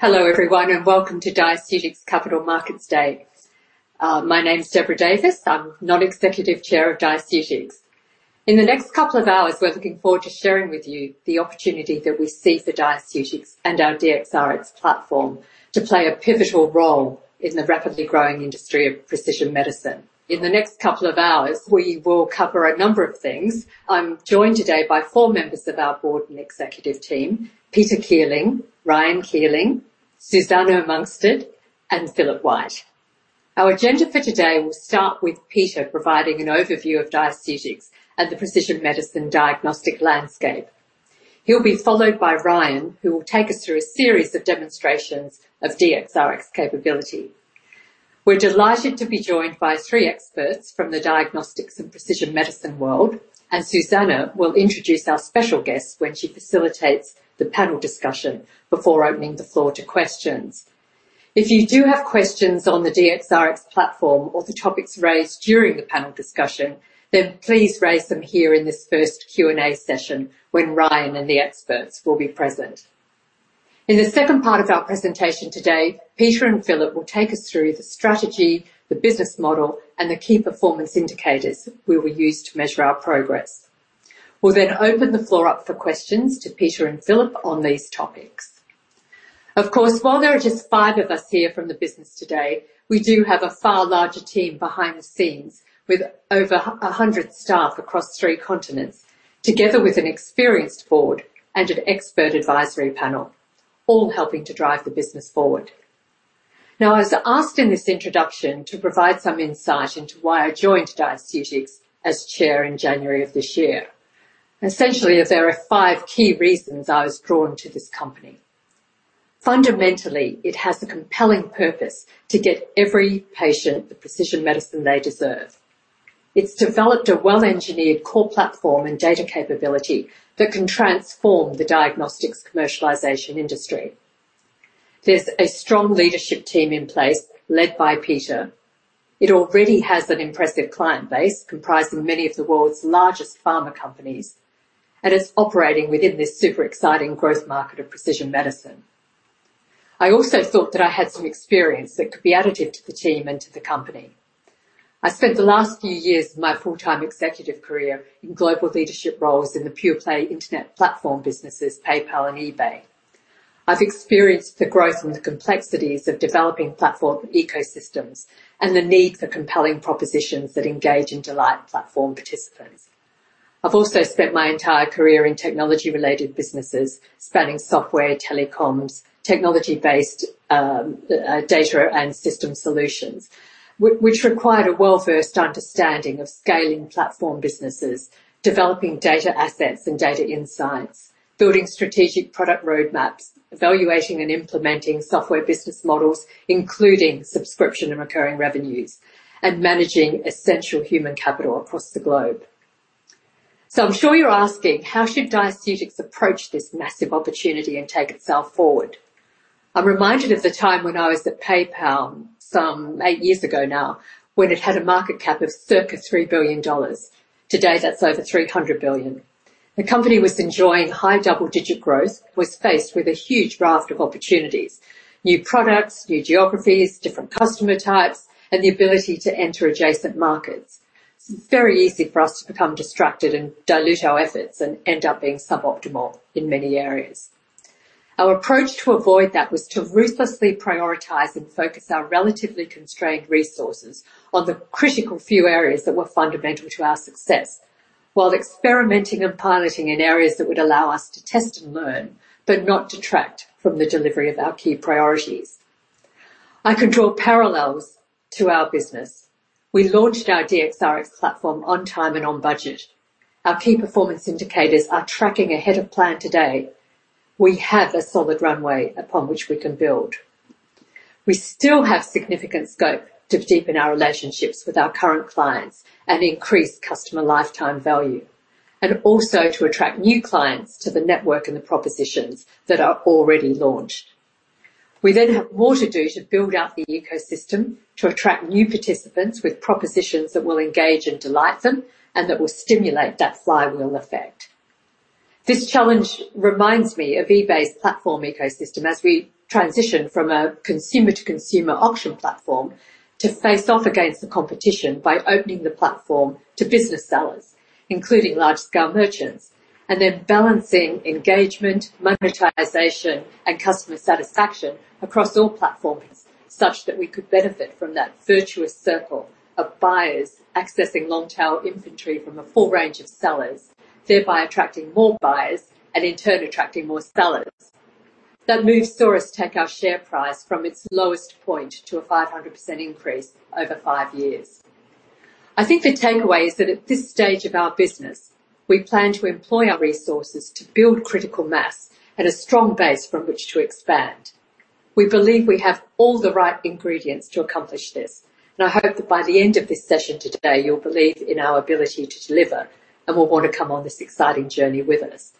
Hello everyone, and welcome to Diaceutics Capital Market Update. My name is Deborah Davis. I'm Non-Executive Chair of Diaceutics. In the next couple of hours, we're looking forward to sharing with you the opportunity that we see for Diaceutics and our DxRx platform to play a pivotal role in the rapidly growing industry of precision medicine. In the next couple of hours, we will cover a number of things. I'm joined today by four members of our board and executive team, Peter Keeling, Ryan Keeling, Susanne Munksted, and Philip White. Our agenda for today will start with Peter providing an overview of Diaceutics and the precision medicine diagnostic landscape. He'll be followed by Ryan, who will take us through a series of demonstrations of DxRx capability. We're delighted to be joined by three experts from the diagnostics and precision medicine world, and Susanne will introduce our special guests when she facilitates the panel discussion before opening the floor to questions. If you do have questions on the DxRx platform or the topics raised during the panel discussion, then please raise them here in this first Q&A session when Ryan and the experts will be present. In the second part of our presentation today, Peter and Philip will take us through the strategy, the business model, and the key performance indicators we will use to measure our progress. We'll then open the floor up for questions to Peter and Philip on these topics. Of course, while there are just five of us here from the business today, we do have a far larger team behind the scenes with over 100 staff across three continents, together with an experienced board and an expert advisory panel, all helping to drive the business forward. I was asked in this introduction to provide some insight into why I joined Diaceutics as Chair in January of this year. Essentially, there are five key reasons I was drawn to this company. Fundamentally, it has a compelling purpose to get every patient the precision medicine they deserve. It's developed a well-engineered core platform and data capability that can transform the diagnostics commercialization industry. There's a strong leadership team in place led by Peter Keeling. It already has an impressive client base comprising many of the world's largest pharma companies, it's operating within this super exciting growth market of precision medicine. I also thought that I had some experience that could be additive to the team and to the company. I spent the last few years of my full-time executive career in global leadership roles in the pure-play internet platform businesses, PayPal and eBay. I've experienced the growth and the complexities of developing platform ecosystems and the need for compelling propositions that engage and delight platform participants. I've also spent my entire career in technology-related businesses spanning software, telecoms, technology-based data and system solutions, which required a well-versed understanding of scaling platform businesses, developing data assets and data insights, building strategic product roadmaps, evaluating and implementing software business models, including subscription and recurring revenues, and managing essential human capital across the globe. I'm sure you're asking, how should Diaceutics approach this massive opportunity and take itself forward? I'm reminded of the time when I was at PayPal some 8 years ago now, when it had a market cap of circa $3 billion. Today, that's over $300 billion. The company was enjoying high double-digit growth, but was faced with a huge raft of opportunities, new products, new geographies, different customer types, and the ability to enter adjacent markets. It's very easy for us to become distracted and dilute our efforts and end up being suboptimal in many areas. Our approach to avoid that was to ruthlessly prioritize and focus our relatively constrained resources on the critical few areas that were fundamental to our success while experimenting and piloting in areas that would allow us to test and learn, but not detract from the delivery of our key priorities. I can draw parallels to our business. We launched our DxRx platform on time and on budget. Our key performance indicators are tracking ahead of plan today. We have a solid runway upon which we can build. We still have significant scope to deepen our relationships with our current clients and increase customer lifetime value, and also to attract new clients to the network and the propositions that are already launched. We have more to do to build out the ecosystem to attract new participants with propositions that will engage and delight them and that will stimulate that flywheel effect. This challenge reminds me of eBay's platform ecosystem as we transitioned from a consumer-to-consumer auction platform to face off against the competition by opening the platform to business sellers, including large-scale merchants, and then balancing engagement, monetization, and customer satisfaction across all platforms, such that we could benefit from that virtuous circle of buyers accessing long-tail inventory from a full range of sellers, thereby attracting more buyers and in turn attracting more sellers. That move saw us take our share price from its lowest point to a 500% increase over five years. I think the takeaway is that at this stage of our business, we plan to employ our resources to build critical mass and a strong base from which to expand. We believe we have all the right ingredients to accomplish this, and I hope that by the end of this session today, you'll believe in our ability to deliver and will want to come on this exciting journey with us.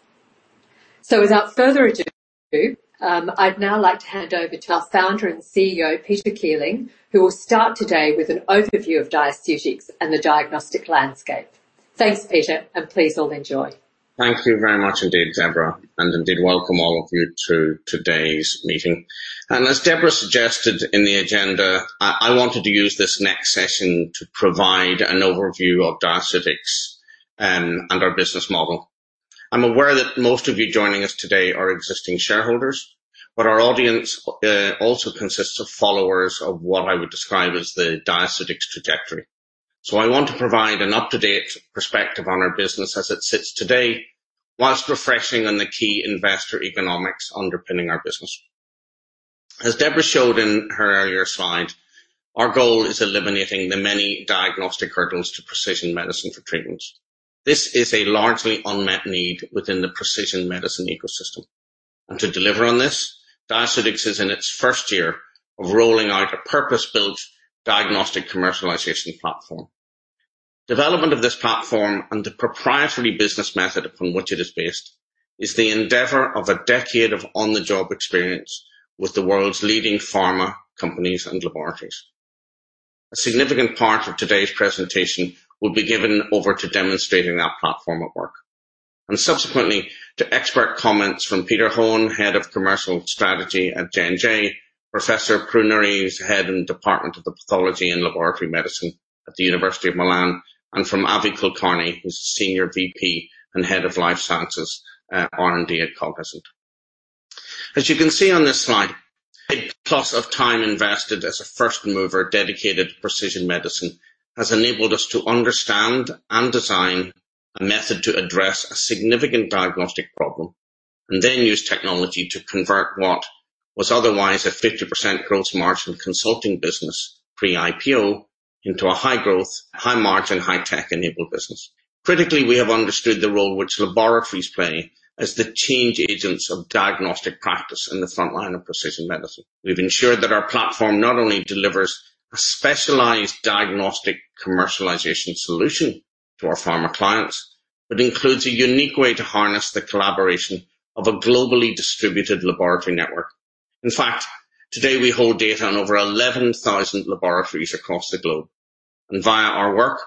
Without further ado, I'd now like to hand over to our Founder and CEO, Peter Keeling, who will start today with an overview of Diaceutics and the diagnostic landscape. Thanks, Peter, and please all enjoy. Thank you very much indeed, Deborah, and indeed, welcome all of you to today's meeting. As Deborah suggested in the agenda, I wanted to use this next session to provide an overview of Diaceutics and our business model. I'm aware that most of you joining us today are existing shareholders, but our audience also consists of followers of what I would describe as the Diaceutics trajectory. I want to provide an up-to-date perspective on our business as it sits today, whilst refreshing on the key investor economics underpinning our business. As Deborah showed in her earlier slide, our goal is eliminating the many diagnostic hurdles to precision medicine for treatment. This is a largely unmet need within the precision medicine ecosystem. To deliver on this, Diaceutics is in its first year of rolling out a purpose-built diagnostic commercialization platform. Development of this platform and the proprietary business method from which it is based is the endeavor of a decade of on-the-job experience with the world's leading pharma companies and laboratories. A significant part of today's presentation will be given over to demonstrating that platform at work, and subsequently to expert comments from Peter Hoehm, Head of Commercial Strategy at J&J, Professor Pruneri, who's Head in Department of Pathology and Laboratory Medicine at the University of Milan, and from Avi Kulkarni, who's Senior VP and Head of Life Sciences R&D at Cognizant. As you can see on this slide, eight-plus of time invested as a first-mover dedicated to precision medicine has enabled us to understand and design a method to address a significant diagnostic problem, and then use technology to convert what was otherwise a 50% gross margin consulting business pre-IPO into a high-growth, high-margin, high-tech-enabled business. Critically, we have understood the role which laboratories play as the change agents of diagnostic practice in the front line of precision medicine. We've ensured that our platform not only delivers a specialized diagnostic commercialization solution to our pharma clients but includes a unique way to harness the collaboration of a globally distributed laboratory network. In fact, today we hold data on over 11,000 laboratories across the globe, and via our work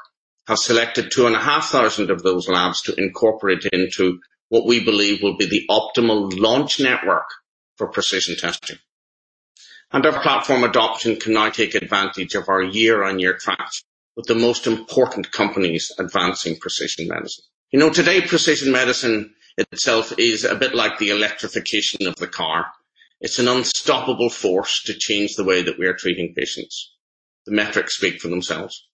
have selected 2,500 of those labs to incorporate into what we believe will be the optimal launch network for precision testing. Our platform adoption can now take advantage of our year-on-year trust with the most important companies advancing precision medicine. Today, precision medicine itself is a bit like the electrification of the car. It's an unstoppable force to change the way that we are treating patients. The metrics speak for themselves.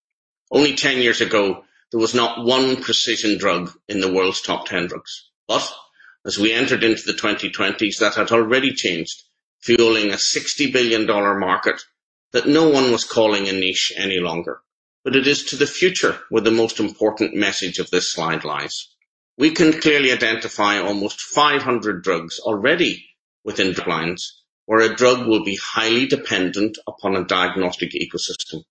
Only 10 years ago, there was not one precision drug in the world's top 10 drugs. As we entered into the 2020s, that had already changed, fueling a $60 billion market that no one was calling a niche any longer. It is to the future where the most important message of this slide lies. We can clearly identify almost 500 drugs already within the clients where a drug will be highly dependent upon a diagnostic ecosystem. To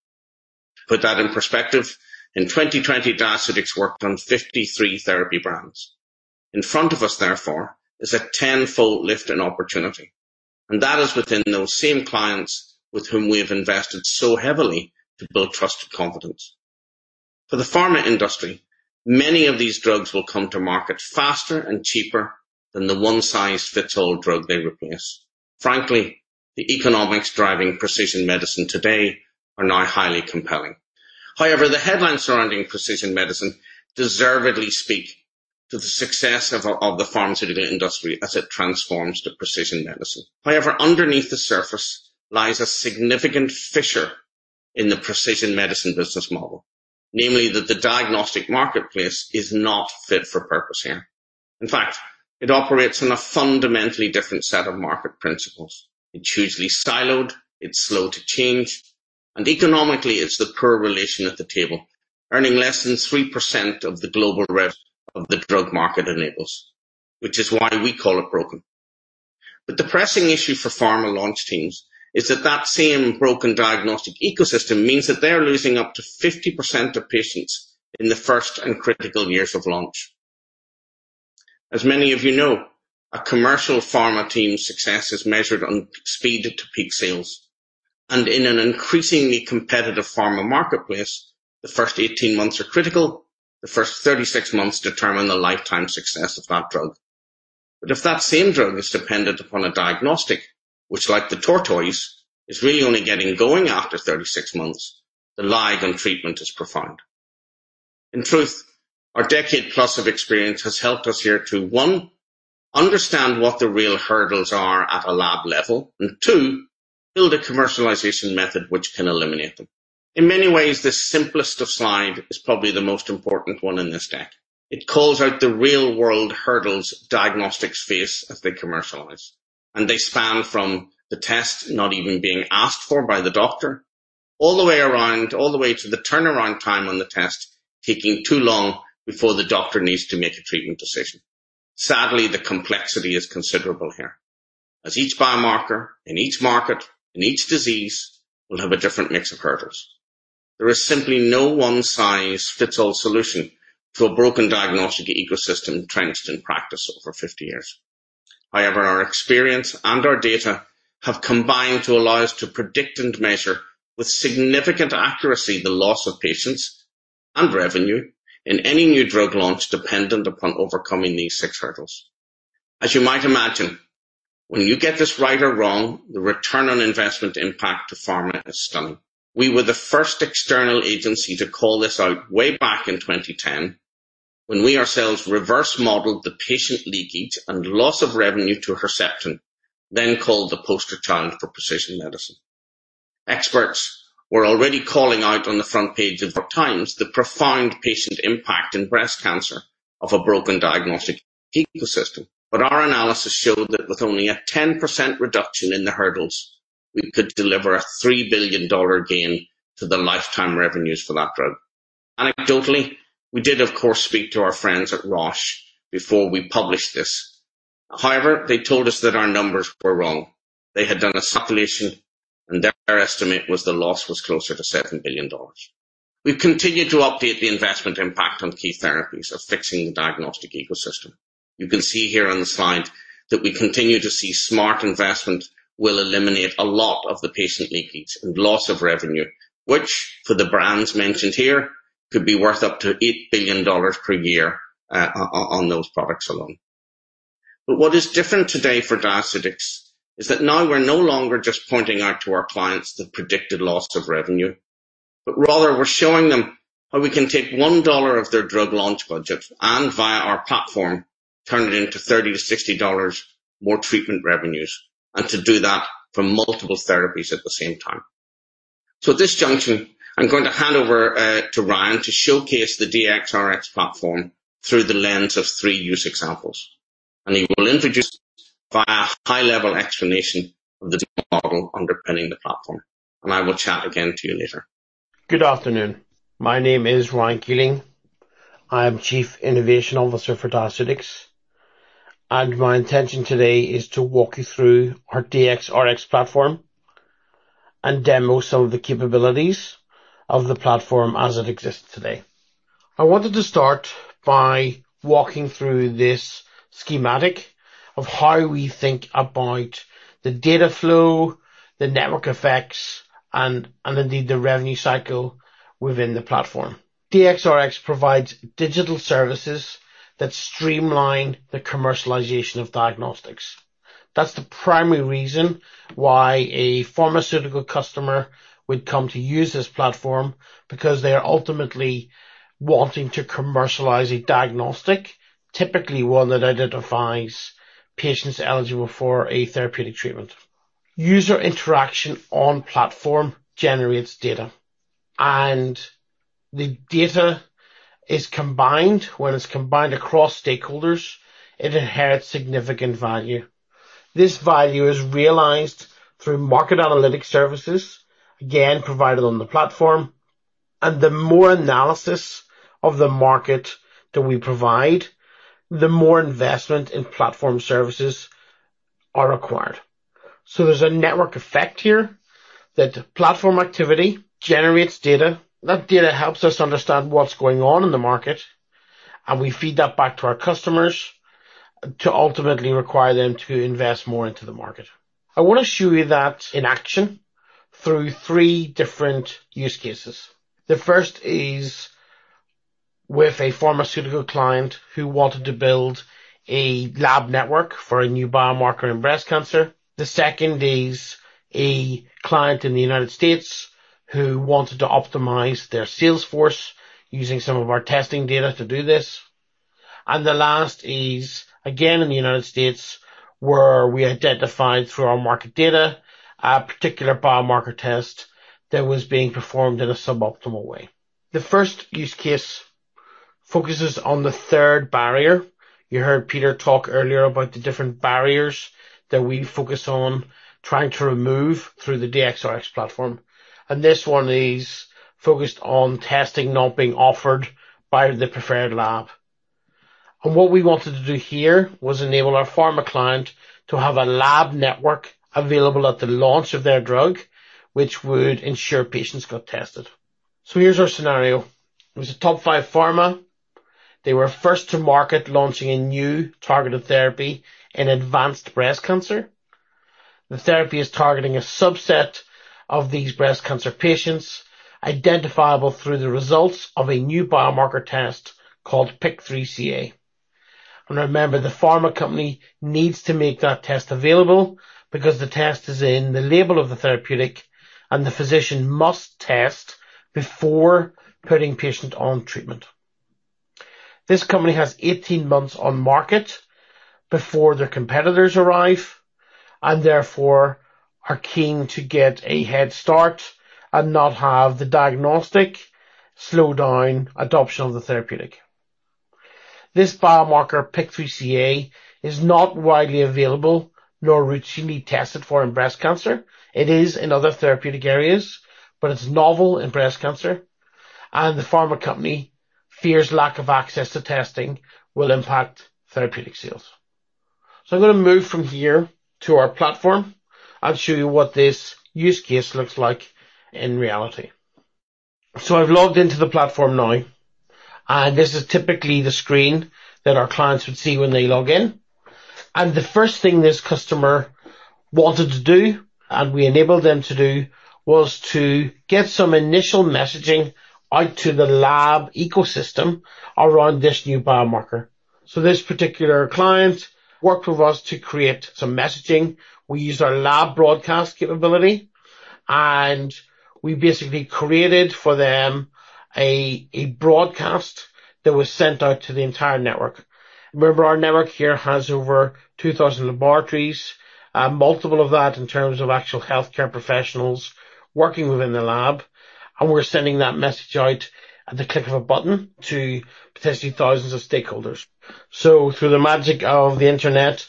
put that in perspective, in 2020, Diaceutics worked on 53 therapy brands. In front of us, therefore, is a tenfold lift in opportunity, and that is within those same clients with whom we have invested so heavily to build trust and confidence. For the pharma industry, many of these drugs will come to market faster and cheaper than the one-size-fits-all drug they replace. Frankly, the economics driving precision medicine today are now highly compelling. However, the headlines surrounding precision medicine deservedly speak to the success of the pharmaceutical industry as it transforms to precision medicine. However, underneath the surface lies a significant fissure in the precision medicine business model, namely that the diagnostic marketplace is not fit for purpose here. In fact, it operates on a fundamentally different set of market principles. It is usually siloed, it is slow to change, and economically, it is the poor relation at the table, earning less than 3% of the global rev of the drug market enables, which is why we call it broken. The depressing issue for pharma launch teams is that that same broken diagnostic ecosystem means that they are losing up to 50% of patients in the first and critical years of launch. As many of you know, a commercial pharma team's success is measured on speed to peak sales, and in an increasingly competitive pharma marketplace, the first 18 months are critical, the first 36 months determine the lifetime success of that drug. If that same drug is dependent upon a diagnostic, which like the tortoise, is really only getting going after 36 months, the lag on treatment is profound. In truth, our decade-plus of experience has helped us here to, one, understand what the real hurdles are at a lab level, and two, build a commercialization method which can eliminate them. In many ways, this simplest of slide is probably the most important one in this deck. It calls out the real-world hurdles diagnostics face as they commercialize. They span from the test not even being asked for by the doctor, all the way around, all the way to the turnaround time on the test taking too long before the doctor needs to make a treatment decision. Sadly, the complexity is considerable here, as each biomarker in each market in each disease will have a different mix of hurdles. There is simply no one-size-fits-all solution to a broken diagnostic ecosystem entrenched in practice over 50 years. Our experience and our data have combined to allow us to predict and measure with significant accuracy the loss of patients and revenue in any new drug launch dependent upon overcoming these six hurdles. As you might imagine, when you get this right or wrong, the return on investment impact to pharma is stunning. We were the first external agency to call this out way back in 2010, when we ourselves reverse modeled the patient leakage and loss of revenue to Herceptin, then called the poster child for precision medicine. Experts were already calling out on the front page of The Times the profound patient impact in breast cancer of a broken diagnostic ecosystem. Our analysis showed that with only a 10% reduction in the hurdles, we could deliver a $3 billion gain to the lifetime revenues for that drug. Anecdotally, we did, of course, speak to our friends at Roche before we published this. They told us that our numbers were wrong. They had done a calculation, and their estimate was the loss was closer to $7 billion. We've continued to update the investment impact on key therapies of fixing the diagnostic ecosystem. You can see here on the slide that we continue to see smart investment will eliminate a lot of the patient leakage and loss of revenue, which for the brands mentioned here, could be worth up to $8 billion per year on those products alone. What is different today for Diaceutics is that now we're no longer just pointing out to our clients the predicted loss of revenue, but rather we're showing them how we can take $1 of their drug launch budget and, via our platform, turn it into $30-$60 more treatment revenues, and to do that for multiple therapies at the same time. At this junction, I'm going to hand over to Ryan to showcase the DxRx platform through the lens of three use examples, and he will introduce a high-level explanation of the model underpinning the platform, and I will chat again to you later. Good afternoon. My name is Ryan Keeling. I am Chief Innovation Officer for Diaceutics, and my intention today is to walk you through our DxRx platform and demo some of the capabilities of the platform as it exists today. I wanted to start by walking through this schematic of how we think about the data flow, the network effects, and indeed the revenue cycle within the platform. DxRx provides digital services that streamline the commercialization of diagnostics. That's the primary reason why a pharmaceutical customer would come to use this platform, because they're ultimately wanting to commercialize a diagnostic, typically one that identifies patients eligible for a therapeutic treatment. User interaction on platform generates data, and the data is combined. When it's combined across stakeholders, it inherits significant value. This value is realized through market analytics services, again, provided on the platform. The more analysis of the market that we provide, the more investment in platform services are required. There's a network effect here that the platform activity generates data. That data helps us understand what's going on in the market. We feed that back to our customers to ultimately require them to invest more into the market. I want to show you that in action through three different use cases. The first is with a pharmaceutical client who wanted to build a lab network for a new biomarker in breast cancer. The second is a client in the U.S. who wanted to optimize their Salesforce using some of our testing data to do this. The last is, again, in the U.S., where we identified through our market data a particular biomarker test that was being performed in a suboptimal way. The first use case focuses on the third barrier. You heard Peter Keeling talk earlier about the different barriers that we focus on trying to remove through the DxRx platform, and this one is focused on testing not being offered by the preferred lab. What we wanted to do here was enable our pharma client to have a lab network available at the launch of their drug, which would ensure patients got tested. Here's our scenario. It was a top five pharma. They were first to market launching a new targeted therapy in advanced breast cancer. The therapy is targeting a subset of these breast cancer patients, identifiable through the results of a new biomarker test called PIK3CA. Remember, the pharma company needs to make that test available because the test is in the label of the therapeutic, and the physician must test before putting patient on treatment. This company has 18 months on market before their competitors arrive and therefore are keen to get a head start and not have the diagnostic slow down adoption of the therapeutic. This biomarker, PIK3CA, is not widely available nor routinely tested for in breast cancer. It is in other therapeutic areas, but it's novel in breast cancer, and the pharma company fears lack of access to testing will impact therapeutic sales. I'm going to move from here to our platform and show you what this use case looks like in reality. I've logged into the platform now, and this is typically the screen that our clients would see when they log in. The first thing this customer wanted to do, and we enabled them to do, was to get some initial messaging out to the lab ecosystem around this new biomarker. This particular client worked with us to create some messaging. We used our lab broadcast capability, and we basically created for them a broadcast that was sent out to the entire network. Remember, our network here has over 2,000 laboratories and multiple of that in terms of actual healthcare professionals working within the lab. We're sending that message out at the click of a button to potentially thousands of stakeholders. Through the magic of the internet,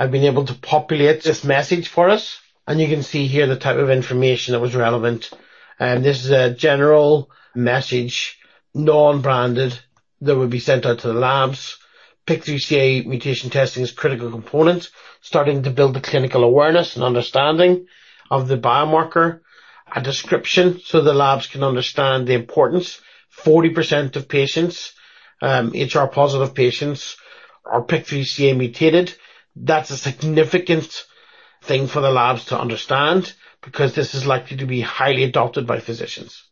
I've been able to populate this message for us, and you can see here the type of information that was relevant. This is a general message, non-branded, that would be sent out to the labs. PIK3CA mutation testing is a critical component, starting to build the clinical awareness and understanding of the biomarker. A description so the labs can understand the importance. 40% of HR-positive patients are PIK3CA mutated. That's a significant thing for the labs to understand because this is likely to be highly adopted by physicians.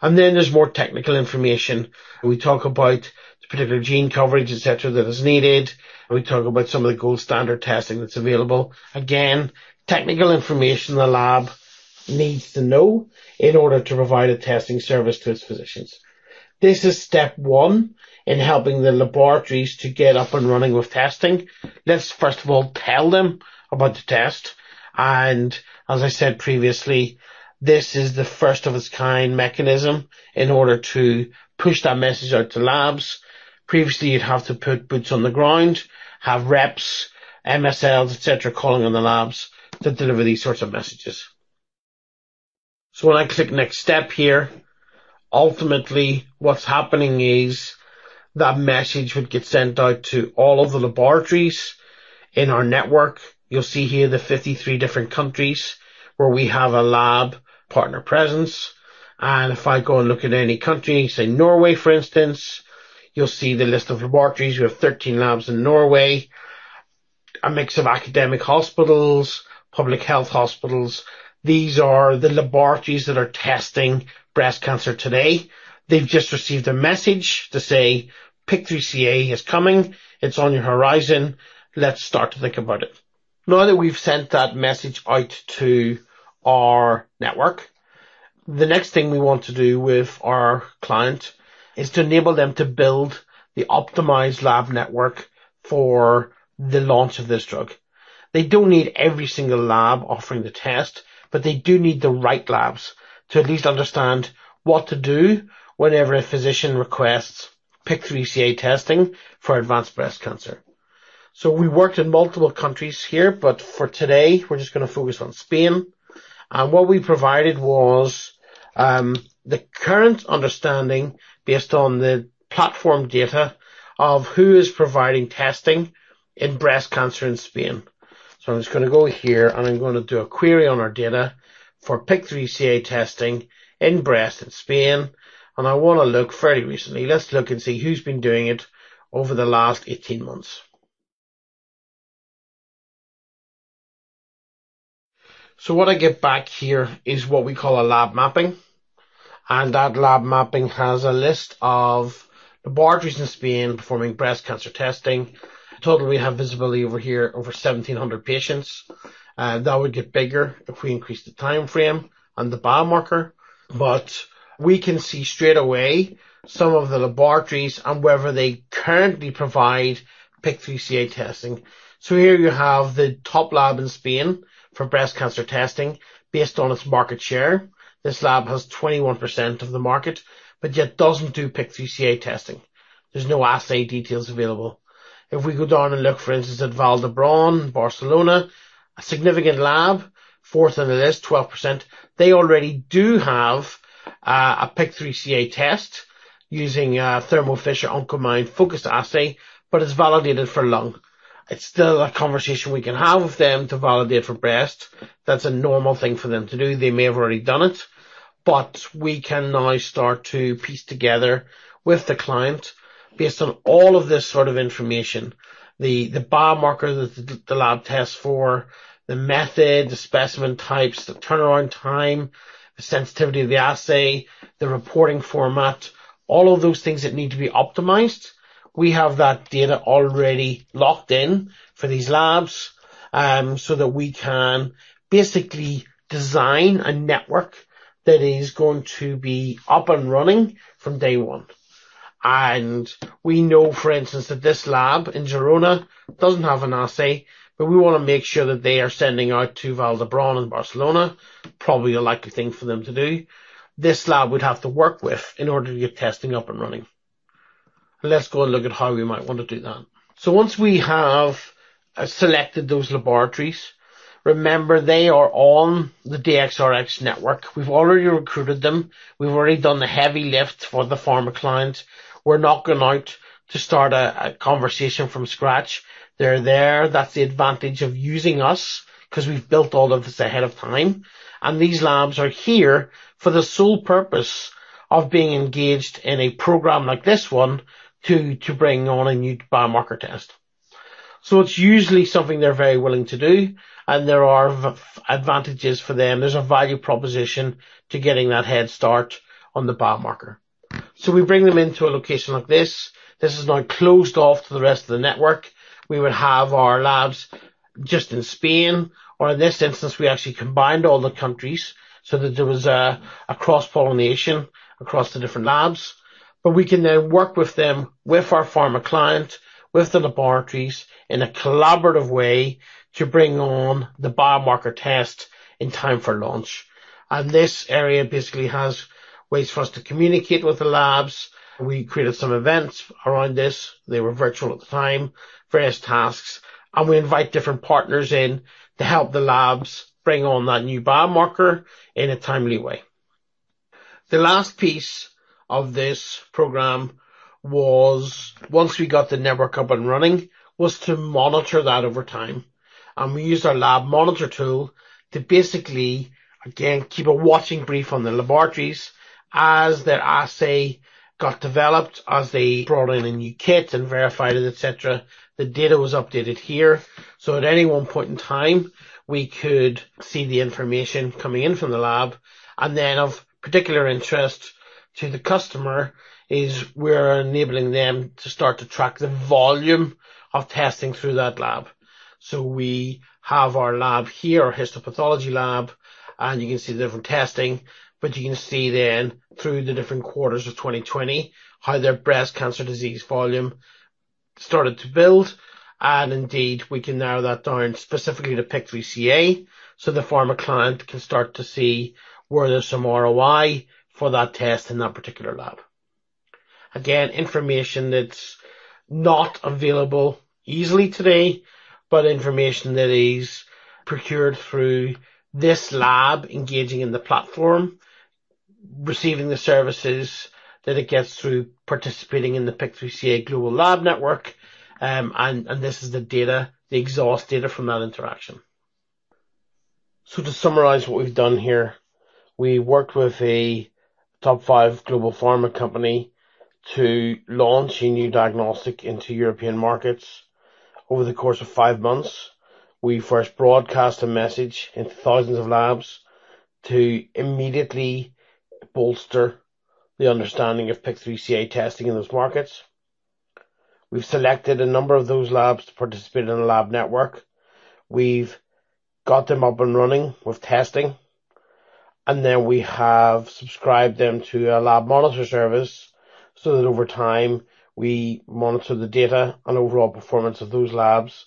There's more technical information. We talk about the particular gene coverage, et cetera, that is needed. We talk about some of the gold standard testing that's available. Again, technical information the lab needs to know in order to provide a testing service to its physicians. This is step one in helping the laboratories to get up and running with testing. Let's first of all tell them about the test. As I said previously, this is the first of its kind mechanism in order to push that message out to labs. Previously, you'd have to put boots on the ground, have reps, MSLs, et cetera, calling on the labs to deliver these sorts of messages. When I click Next Step here, ultimately what's happening is that message would get sent out to all of the laboratories in our network. You'll see here the 53 different countries where we have a lab partner presence. If I go and look at any country, say Norway, for instance, you'll see the list of laboratories. We have 13 labs in Norway. A mix of academic hospitals, public health hospitals. These are the laboratories that are testing breast cancer today. They've just received a message to say, "PIK3CA is coming. It's on your horizon. Let's start to think about it." Now that we've sent that message out to our network, the next thing we want to do with our client is to enable them to build the optimized lab network for the launch of this drug. They don't need every single lab offering the test, but they do need the right labs to at least understand what to do whenever a physician requests PIK3CA testing for advanced breast cancer. We worked in multiple countries here, but for today, we're just going to focus on Spain. What we provided was the current understanding based on the platform data of who is providing testing in breast cancer in Spain. I'm just going to go here, and I'm going to do a query on our data for PIK3CA testing in breast in Spain, and I want to look very recently. Let's look and see who's been doing it over the last 18 months. What I get back here is what we call a lab mapping, and that lab mapping has a list of laboratories in Spain performing breast cancer testing. In total, we have visibility over here over 1,700 patients. That would get bigger if we increase the timeframe and the biomarker. We can see straight away some of the laboratories and whether they currently provide PIK3CA testing. Here you have the top lab in Spain for breast cancer testing based on its market share. This lab has 21% of the market, but yet doesn't do PIK3CA testing. There's no assay details available. If we go down and look, for instance, at Vall d'Hebron, Barcelona, a significant lab, fourth on the list, 12%. They already do have a PIK3CA test using a Thermo Fisher Oncomine focused assay, but it's validated for lung. It's still a conversation we can have with them to validate for breast. That's a normal thing for them to do. They may have already done it. We can now start to piece together with the client based on all of this sort of information, the biomarker that the lab tests for, the method, the specimen types, the turnaround time, the sensitivity of the assay, the reporting format, all of those things that need to be optimized. We have that data already locked in for these labs, so that we can basically design a network that is going to be up and running from day one. We know, for instance, that this lab in Girona doesn't have an assay, but we want to make sure that they are sending out to Vall d'Hebron in Barcelona. Probably a likely thing for them to do. This lab we'd have to work with in order to get testing up and running. Let's go and look at how we might want to do that. Once we have selected those laboratories, remember, they are on the DXRX network. We've already recruited them. We've already done the heavy lift for the pharma client. We're not going out to start a conversation from scratch. They're there. That's the advantage of using us because we've built all of this ahead of time. These labs are here for the sole purpose of being engaged in a program like this one to bring on a new biomarker test. It's usually something they're very willing to do, and there are advantages for them. There's a value proposition to getting that head start on the biomarker. We bring them into a location like this. This is now closed off to the rest of the network. We would have our labs just in Spain, or in this one instance, we actually combined all the countries so that there was a cross-pollination across the different labs. We can then work with them, with our pharma client, with the laboratories in a collaborative way to bring on the biomarker test in time for launch. This area basically has ways for us to communicate with the labs. We created some events around this. They were virtual at the time, various tasks. We invite different partners in to help the labs bring on that new biomarker in a timely way. The last piece of this program was, once we got the network up and running, was to monitor that over time. We used our lab monitor tool to basically, again, keep a watching brief on the laboratories as their assay got developed, as they brought in a new kit and verified it, et cetera. The data was updated here. At any one point in time, we could see the information coming in from the lab. Of particular interest to the customer is we're enabling them to start to track the volume of testing through that lab. We have our lab here, histopathology lab, and you can see the different testing. You can see then through the different quarters of 2020 how their breast cancer disease volume started to build. Indeed, we can narrow that down specifically to PIK3CA, the pharma client can start to see where there's some ROI for that test in that particular lab. Again, information that's not available easily today, but information that is procured through this lab engaging in the platform, receiving the services that it gets through participating in the PIK3CA global lab network. This is the data, the exhaust data from that interaction. To summarize what we've done here, we worked with a top five global pharma company to launch a new diagnostic into European markets over the course of five months. We first broadcast a message into thousands of labs to immediately bolster the understanding of PIK3CA testing in those markets. We've selected a number of those labs to participate in the lab network. We've got them up and running with testing, and then we have subscribed them to a lab monitor service, so that over time, we monitor the data and overall performance of those labs,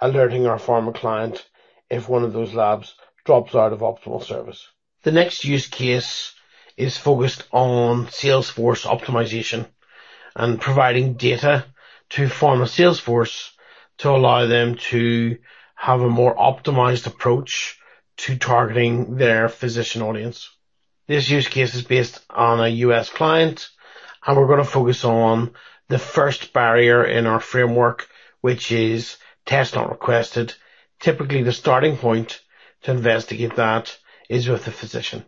alerting our pharma client if one of those labs drops out of optimal service. The next use case is focused on sales force optimization and providing data to pharma sales force to allow them to have a more optimized approach to targeting their physician audience. This use case is based on a U.S. client, and we're going to focus on the first barrier in our framework, which is test not requested. Typically, the starting point to investigate that is with the physician.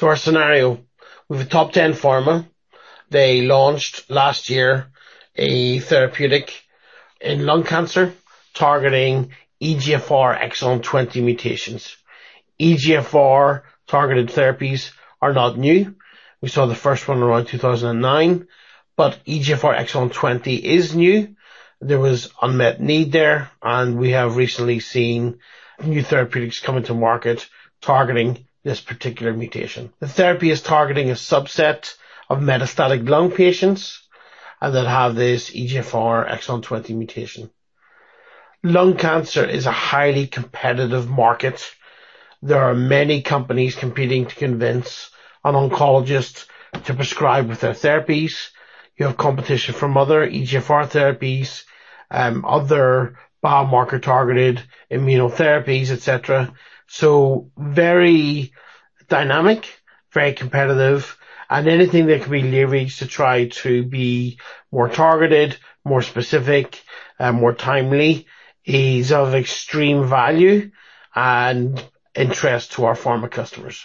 Our scenario. We've a top 10 pharma. They launched last year a therapeutic in lung cancer targeting EGFR exon 20 mutations. EGFR-targeted therapies are not new. We saw the first one around 2009. EGFR exon 20 is new. There was unmet need there, and we have recently seen new therapeutics coming to market targeting this particular mutation. The therapy is targeting a subset of metastatic lung patients, and they'll have this EGFR exon 20 mutation. Lung cancer is a highly competitive market. There are many companies competing to convince an oncologist to prescribe with their therapies. You have competition from other EGFR therapies, other biomarker-targeted immunotherapies, et cetera. Very dynamic, very competitive, and anything that can be leveraged to try to be more targeted, more specific, and more timely is of extreme value and interest to our pharma customers.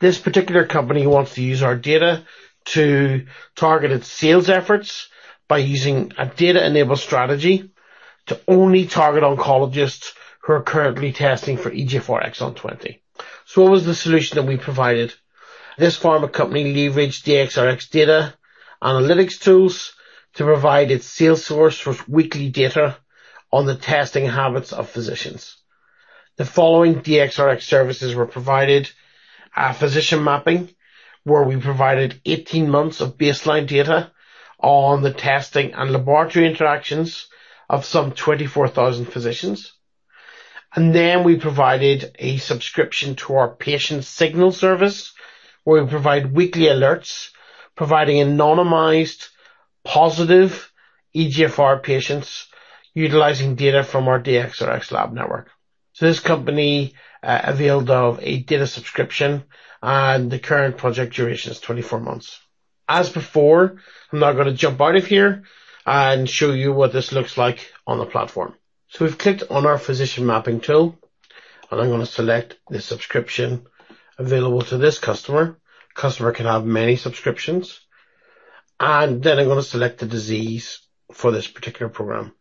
This particular company wants to use our data to target its sales efforts by using a data-enabled strategy to only target oncologists who are currently testing for EGFR exon 20. What was the solution that we provided? This pharma company leveraged DxRx data analytics tools to provide its sales force with weekly data on the testing habits of physicians. The following DxRx services were provided. A Physician Mapping, where we provided 18 months of baseline data on the testing and laboratory interactions of some 24,000 physicians. We provided a subscription to our patient signal service, where we provide weekly alerts providing anonymized positive EGFR patients utilizing data from our DxRx lab network. This company availed of a data subscription, and the current project duration is 24 months. As before, I'm now going to jump out of here and show you what this looks like on the platform. We've clicked on our Physician Mapping tool, and I'm going to select the subscription available to this customer. Customer can have many subscriptions. I'm going to select the disease for this particular program.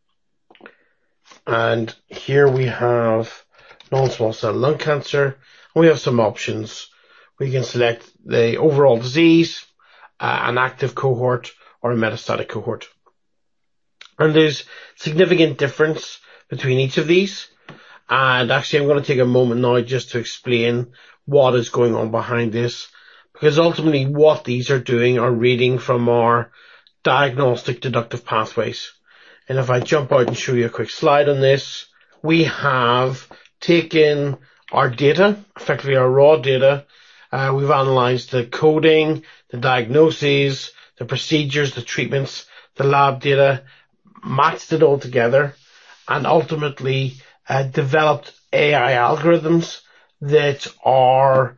Here we have non-small cell lung cancer, and we have some options. We can select the overall disease, an active cohort, or a metastatic cohort. There's significant difference between each of these. Actually, I'm going to take a moment now just to explain what is going on behind this. Ultimately, what these are doing are reading from our Diagnostic Deductive Pathways. If I jump out and show you a quick slide on this, we have taken our data, effectively our raw data, we've analyzed the coding, the diagnoses, the procedures, the treatments, the lab data, matched it all together, and ultimately developed AI algorithms that are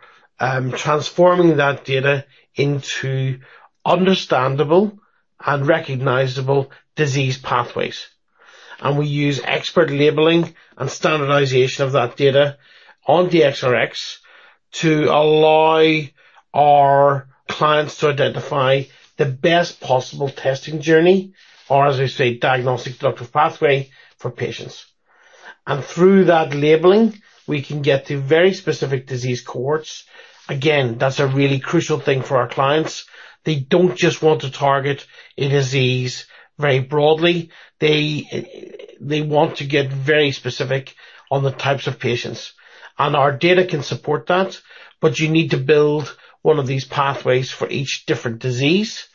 transforming that data into understandable and recognizable disease pathways. We use expert labeling and standardization of that data on DXRX to allow our clients to identify the best possible testing journey, or as we say, Diagnostic Deductive Pathway for patients. Through that labeling, we can get to very specific disease cohorts. Again, that's a really crucial thing for our clients. They don't just want to target a disease very broadly. They want to get very specific on the types of patients. Our data can support that, but you need to build one of these pathways for each different disease.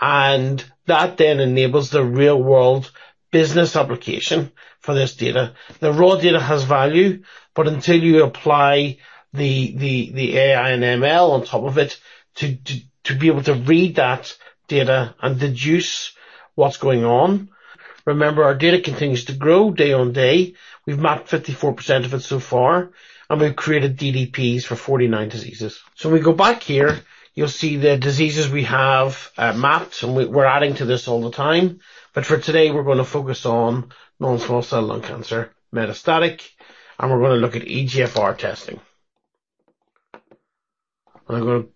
That then enables the real-world business application for this data. The raw data has value, but until you apply the AI and ML on top of it to be able to read that data and deduce what's going on. Remember, our data continues to grow day on day. We've mapped 54% of it so far, and we've created DDPs for 49 diseases. We go back here, you'll see the diseases we have mapped, and we're adding to this all the time. For today, we're going to focus on non-small cell lung cancer, metastatic, and we're going to look at EGFR testing. I'm going to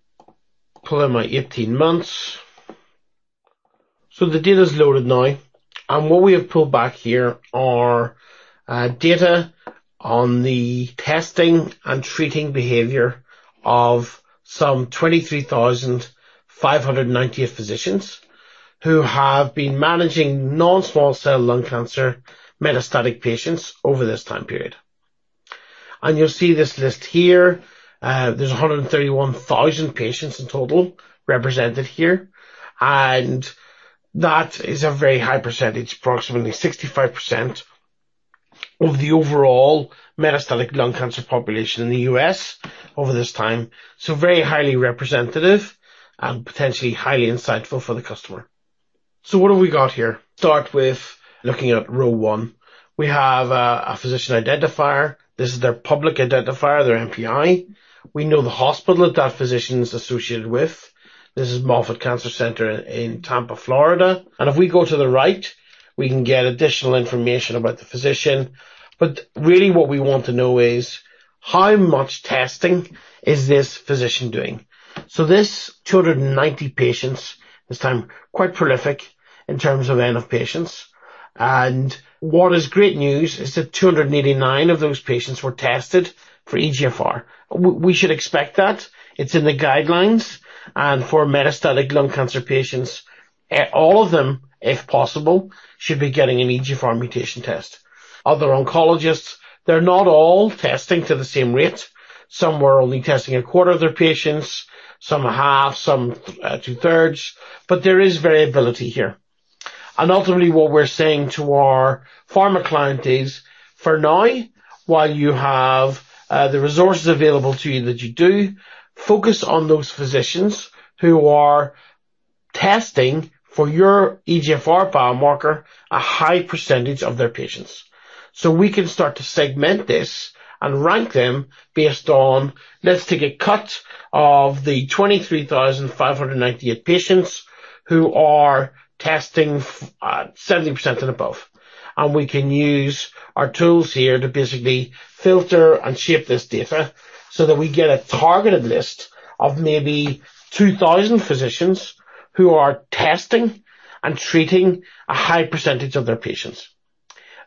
pull in my 18 months. The data's loaded now. What we have pulled back here are data on the testing and treating behavior of some 23,598 physicians who have been managing non-small cell lung cancer metastatic patients over this time period. You'll see this list here. There's 131,000 patients in total represented here, and that is a very high percentage, approximately 65%, of the overall metastatic lung cancer population in the U.S. over this time. Very highly representative and potentially highly insightful for the customer. What have we got here? Start with looking at row 1. We have a physician identifier. This is their public identifier, their NPI. We know the hospital that that physician is associated with. This is Moffitt Cancer Center in Tampa, Florida. If we go to the right, we can get additional information about the physician. Really what we want to know is how much testing is this physician doing? This, 290 patients this time, quite prolific in terms of N of patients. What is great news is that 289 of those patients were tested for EGFR. We should expect that. It's in the guidelines. For metastatic lung cancer patients, all of them, if possible, should be getting an EGFR mutation test. Other oncologists, they're not all testing to the same rate. Some were only testing a quarter of their patients, some a half, some two-thirds, but there is variability here. Ultimately what we're saying to our pharma client is, for now, while you have the resources available to you that you do, focus on those physicians who are testing for your EGFR biomarker a high percentage of their patients. We can start to segment this and rank them based on, let's take a cut of the 23,598 patients who are testing 70% and above. We can use our tools here to basically filter and shape this data so that we get a targeted list of maybe 2,000 physicians who are testing and treating a high percentage of their patients.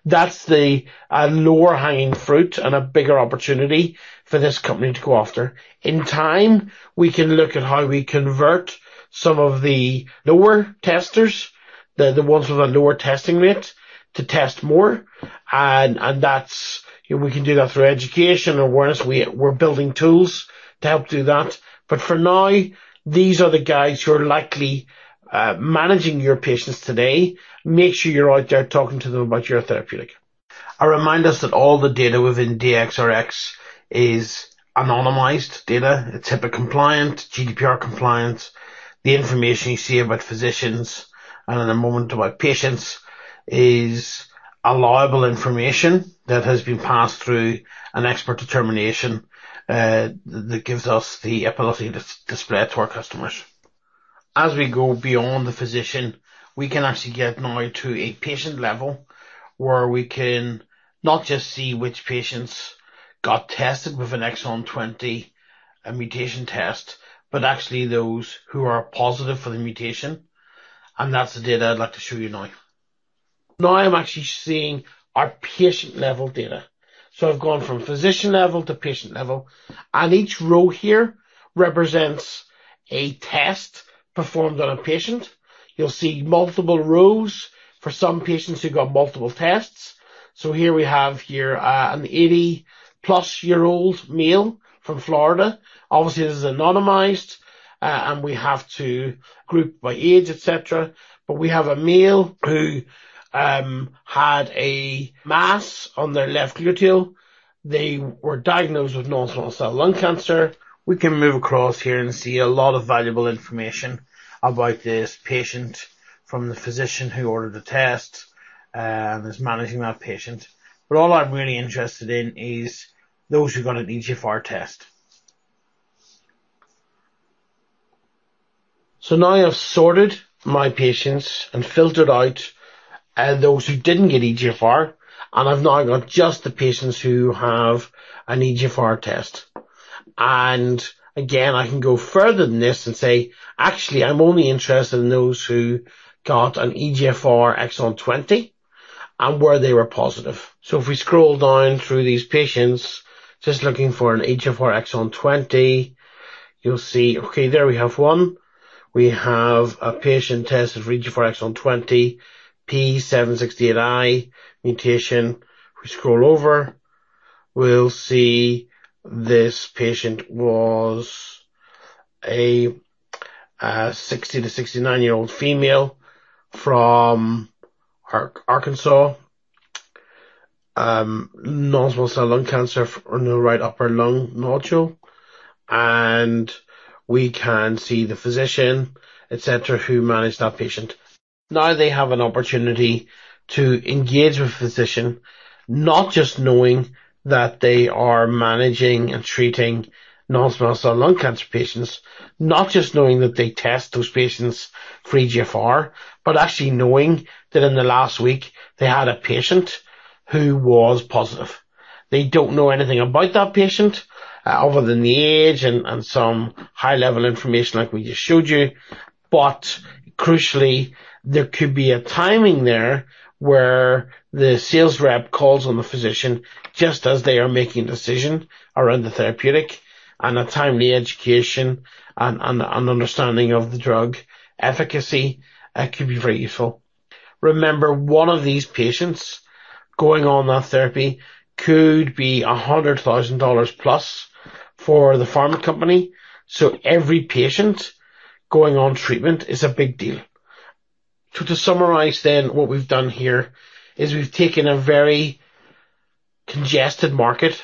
That's the lower-hanging fruit and a bigger opportunity for this company to go after. In time, we can look at how we convert some of the lower testers, the ones with a lower testing rate, to test more. We can do that through education or whereas we're building tools to help do that. For now, these are the guys who are likely managing your patients today. Make sure you're out there talking to them about your therapeutic. A reminder that all the data within DxRx is anonymized data. It's HIPAA compliant, GDPR compliant. The information you see about physicians and in a moment about patients is a reliable information that has been passed through an expert determination that gives us the ability to display it to our customers. As we go beyond the physician, we can actually get now to a patient level where we can not just see which patients got tested with an exon 20 mutation test, but actually those who are positive for the mutation. That's the data I'd like to show you now. Now I'm actually seeing our patient-level data. I've gone from physician level to patient level, and each row here represents a test performed on a patient. You'll see multiple rows for some patients who got multiple tests. Here we have an 80-plus-year-old male from Florida. Obviously, this is anonymized, and we have to group by age, et cetera. We have a male who had a mass on their left gluteal. They were diagnosed with non-small cell lung cancer. We can move across here and see a lot of valuable information about this patient from the physician who ordered the test and is managing that patient. All I'm really interested in is those who got an EGFR test. Now I've sorted my patients and filtered out those who didn't get EGFR, and I've now got just the patients who have an EGFR test. Again, I can go further than this and say, "Actually, I'm only interested in those who got an EGFR exon 20 and where they were positive." If we scroll down through these patients, just looking for an EGFR exon 20, you'll see, okay, there we have one. We have a patient tested for EGFR exon 20, p.S768I mutation. If we scroll over, we'll see this patient was a 60 to 69-year-old female from Arkansas, non-small cell lung cancer on the right upper lung nodule, and we can see the physician, et cetera, who managed that patient. They have an opportunity to engage with a physician, not just knowing that they are managing and treating non-small cell lung cancer patients, not just knowing that they test those patients for EGFR, but actually knowing that in the last week, they had a patient who was positive. They don't know anything about that patient other than the age and some high-level information like we just showed you. Crucially, there could be a timing there where the sales rep calls on the physician just as they are making a decision around the therapeutic and a timely education and understanding of the drug efficacy can be very useful. One of these patients going on that therapy could be GBP 100,000-plus for the pharma company. Every patient going on treatment is a big deal. To summarize then, what we've done here is we've taken a very congested market,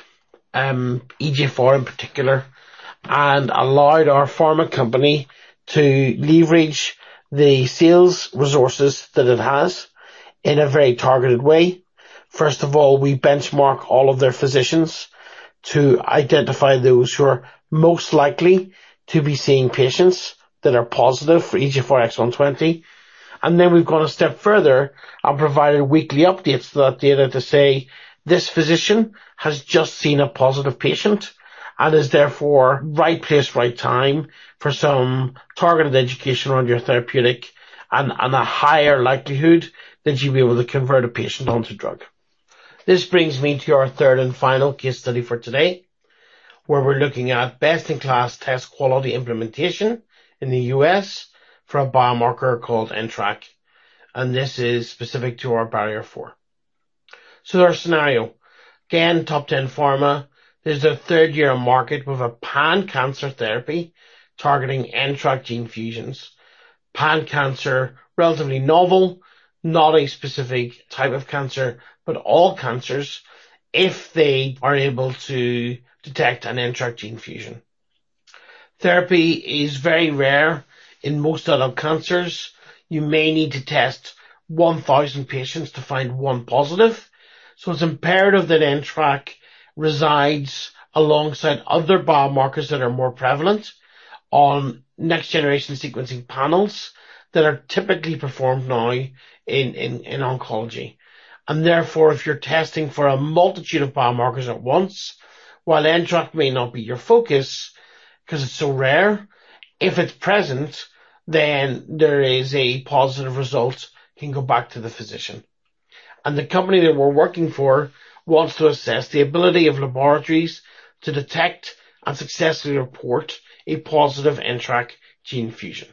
EGFR in particular, and allowed our pharma company to leverage the sales resources that it has in a very targeted way. First of all, we benchmark all of their physicians to identify those who are most likely to be seeing patients that are positive for EGFR exon 20. Then we've gone a step further and provided weekly updates to that data to say, this physician has just seen a positive patient and is therefore right place, right time for some targeted education on your therapeutic and a higher likelihood that you'll be able to convert a patient onto drug. This brings me to our third and final case study for today, where we're looking at best-in-class test quality implementation in the U.S. for a biomarker called NTRK, and this is specific to our barrier four. Our scenario. Again, top 10 pharma. This is a third-year market with a pan-cancer therapy targeting NTRK gene fusions. Pan-cancer, relatively novel, not a specific type of cancer, but all cancers if they are able to detect an NTRK gene fusion. Therapy is very rare in most adult cancers. You may need to test 1,000 patients to find 1 positive. It's imperative that NTRK resides alongside other biomarkers that are more prevalent on next-generation sequencing panels that are typically performed now in oncology. Therefore, if you're testing for a multitude of biomarkers at once, while NTRK may not be your focus because it's so rare, if it's present, then there is a positive result can go back to the physician. The company that we're working for wants to assess the ability of laboratories to detect and successfully report a positive NTRK gene fusion.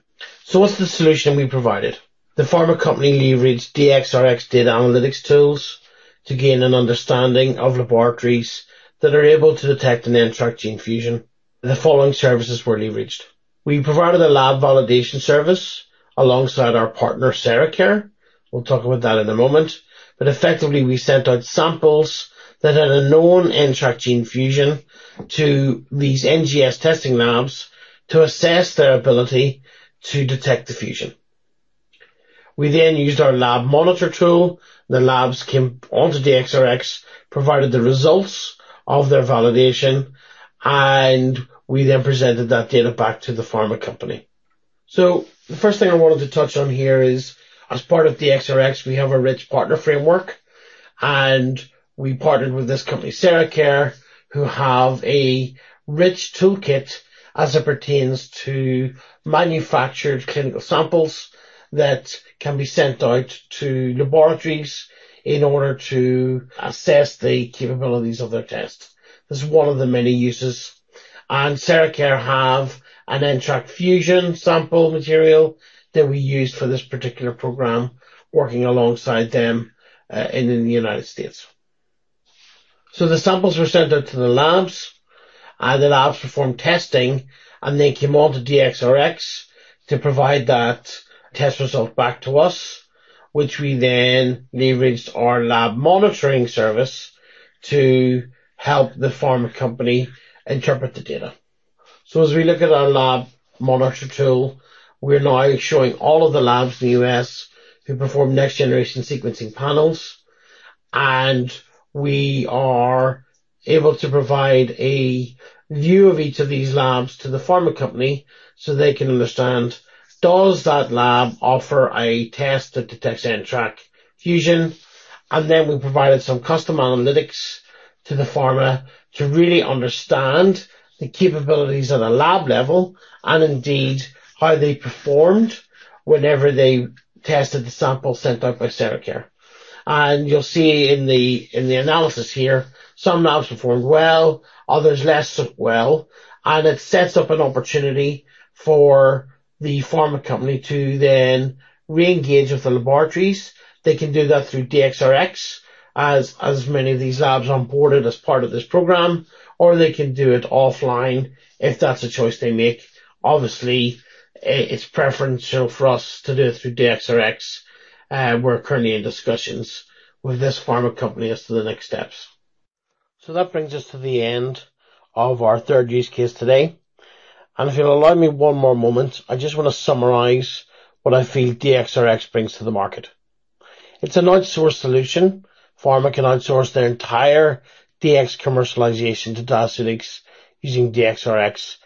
What's the solution we provided? The pharma company leveraged the DxRx data analytics tools to gain an understanding of laboratories that are able to detect an NTRK gene fusion. The following services were leveraged. We provided a lab validation service alongside our partner, SeraCare. We'll talk about that in a moment. Effectively, we sent out samples that had a known NTRK gene fusion to these NGS testing labs to assess their ability to detect the fusion. We used our lab monitor tool. The labs came onto DxRx, provided the results of their validation. We then presented that data back to the pharma company. The first thing I wanted to touch on here is, as part of DxRx, we have a rich partner framework. We partnered with this company, SeraCare, who have a rich toolkit as it pertains to manufactured clinical samples that can be sent out to laboratories in order to assess the capabilities of their tests. This is one of the many uses. SeraCare have an NTRK fusion sample material that we used for this particular program working alongside them in the U.S. The samples were sent out to the labs. The labs performed testing. They came onto DxRx to provide that test result back to us, which we then leveraged our lab monitoring service to help the pharma company interpret the data. As we look at our lab monitor tool, we're now showing all of the labs in the U.S. who perform next-generation sequencing panels, and we are able to provide a view of each of these labs to the pharma company so they can understand, does that lab offer a test that detects NTRK fusion? Then we provided some custom analytics to the pharma to really understand the capabilities on a lab level and indeed how they performed whenever they tested the sample sent out by SeraCare. You'll see in the analysis here, some labs performed well, others less so well, and it sets up an opportunity for the pharma company to then re-engage with the laboratories. They can do that through DxRx as many of these labs onboarded as part of this program, or they can do it offline if that's a choice they make. Obviously, it's preferential for us to do this through DxRx. We're currently in discussions with this pharma company as to the next steps. That brings us to the end of our third use case today. If you'll allow me one more moment, I just want to summarize what I feel DxRx brings to the market. It's an outsourced solution. Pharma can outsource their entire DX commercialization to Diaceutics using DxRx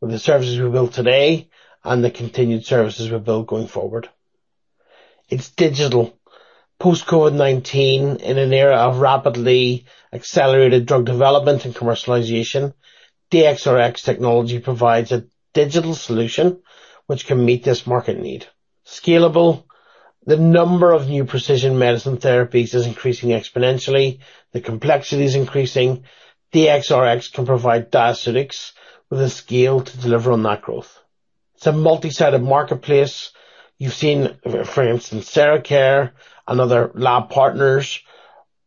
with the services we built today and the continued services we build going forward. It's digital. Post-COVID-19, in an era of rapidly accelerated drug development and commercialization, DxRx technology provides a digital solution which can meet this market need. Scalable. The number of new precision medicine therapies is increasing exponentially. The complexity is increasing. DxRx can provide Diaceutics with a scale to deliver on that growth. It's a multi-sided marketplace. You've seen, for instance, SeraCare and other lab partners.